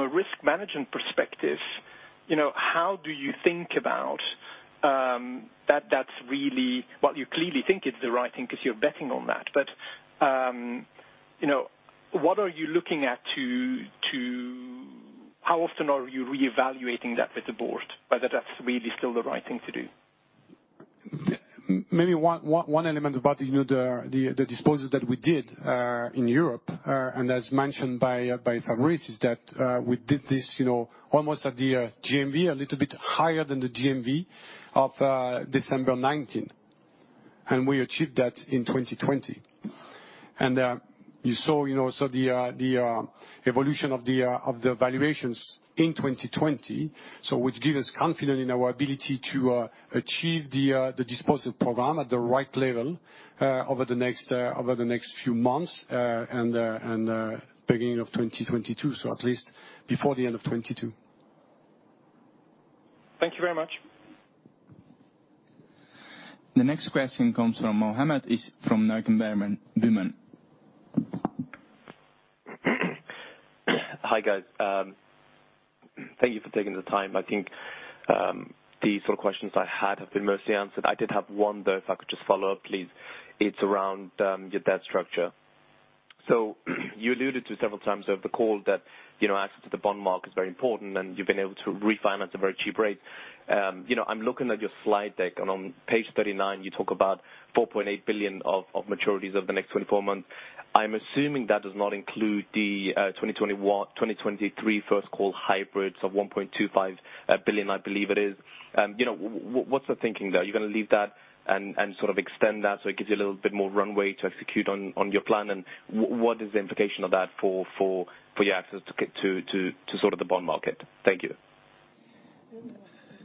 a risk management perspective, how do you think about that that's really, well, you clearly think it's the right thing because you're betting on that. How often are you reevaluating that with the board, whether that's really still the right thing to do? Maybe one element, Bart, the disposals that we did in Europe, and as mentioned by Fabrice, is that we did this almost at the GMV, a little bit higher than the GMV of December 2019. We achieved that in 2020. You saw the evolution of the valuations in 2020, so which give us confidence in our ability to achieve the disposal program at the right level over the next few months and beginning of 2022. At least before the end of 2022. Thank you very much. The next question comes from Mohammed Is from Berenberg. Hi, guys. Thank you for taking the time. I think the sort of questions I had have been mostly answered. I did have one, though, if I could just follow up, please. It's around your debt structure. You alluded to several times over the call that access to the bond market is very important, and you've been able to refinance a very cheap rate. I'm looking at your slide deck, and on page 39, you talk about 4.8 billion of maturities over the next 24 months. I'm assuming that does not include the 2023 first call hybrids of 1.25 billion, I believe it is. What's the thinking there? Are you going to leave that and sort of extend that, so it gives you a little bit more runway to execute on your plan? What is the implication of that for your access to sort of the bond market? Thank you.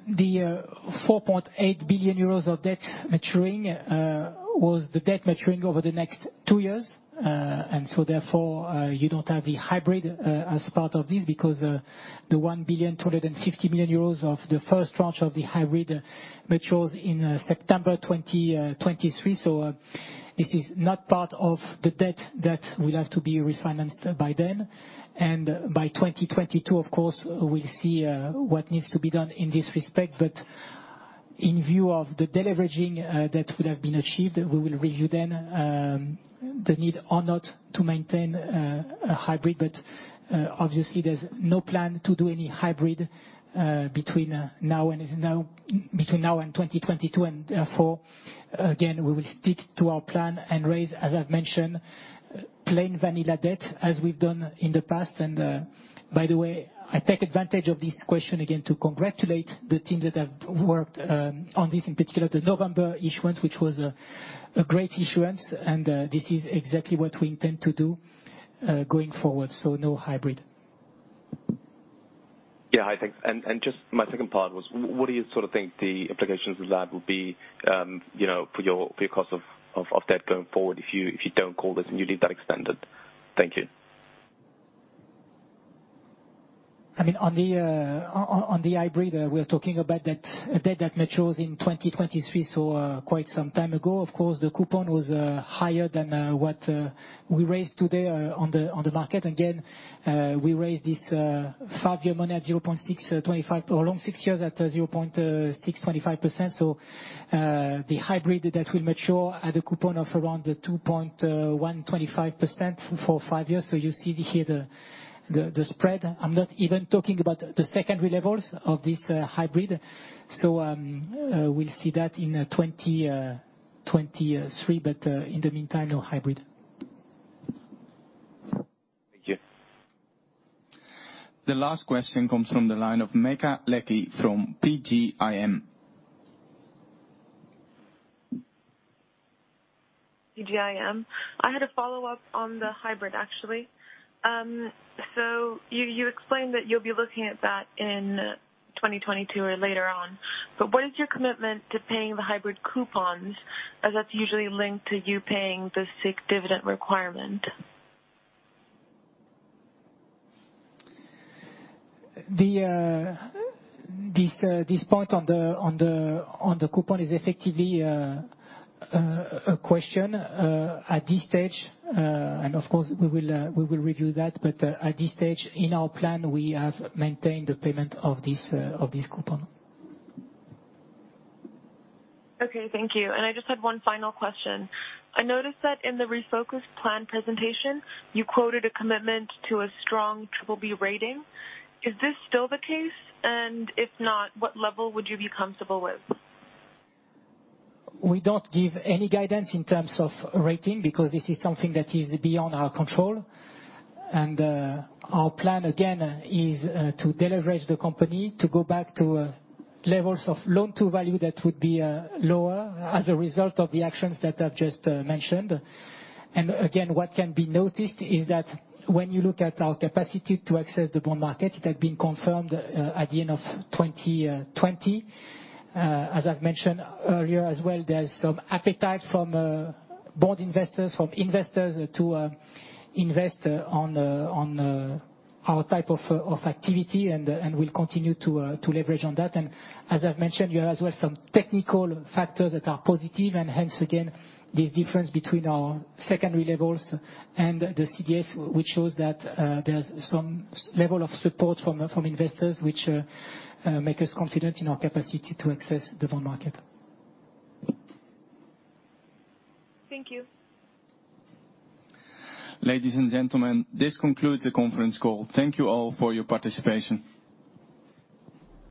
The 4.8 billion euros of debt maturing was the debt maturing over the next two years. Therefore you don't have the hybrid as part of this because the 1 billion, 250 million euros of the first tranche of the hybrid matures in September 2023. This is not part of the debt that will have to be refinanced by then. By 2022, of course, we'll see what needs to be done in this respect. In view of the deleveraging that would have been achieved, we will review then the need or not to maintain a hybrid. Obviously there's no plan to do any hybrid between now and 2022. Therefore again, we will stick to our plan and raise, as I've mentioned, plain vanilla debt as we've done in the past. By the way, I take advantage of this question again to congratulate the team that have worked on this, in particular the November issuance, which was a great issuance and this is exactly what we intend to do going forward. No hybrid. Yeah. Hi, thanks. Just my second part was, what do you think the implications of that will be for your cost of debt going forward if you don't call this and you leave that extended? Thank you. On the hybrid, we're talking about debt that matures in 2023, quite some time ago. Of course, the coupon was higher than what we raised today on the market. Again, we raised this five-year money at 0.625% or loan six years at 0.625%. The hybrid debt will mature at a coupon of around the 2.125% for five years. You see here the spread. I'm not even talking about the secondary levels of this hybrid. We'll see that in 2023, in the meantime, no hybrid. Thank you. The last question comes from the line of Mikael Latreille from PGIM. PGIM. I had a follow-up on the hybrid, actually. You explained that you'll be looking at that in 2022 or later on. What is your commitment to paying the scrip dividend requirement? This part on the coupon is effectively a question, at this stage, and of course we will review that, but at this stage in our plan, we have maintained the payment of this coupon. Okay, thank you. I just had one final question. I noticed that in the Refocus plan presentation, you quoted a commitment to a strong triple B rating. Is this still the case? If not, what level would you be comfortable with? We don't give any guidance in terms of rating because this is something that is beyond our control. Our plan, again, is to deleverage the company, to go back to levels of loan-to-value that would be lower as a result of the actions that I've just mentioned. Again, what can be noticed is that when you look at our capacity to access the bond market, it had been confirmed at the end of 2020. As I've mentioned earlier as well, there's some appetite from bond investors, from investors to invest on our type of activity. We'll continue to leverage on that. As I've mentioned, you have as well some technical factors that are positive and hence, again, the difference between our secondary levels and the CDS, which shows that there's some level of support from investors which make us confident in our capacity to access the bond market. Thank you. Ladies and gentlemen, this concludes the conference call. Thank you all for your participation.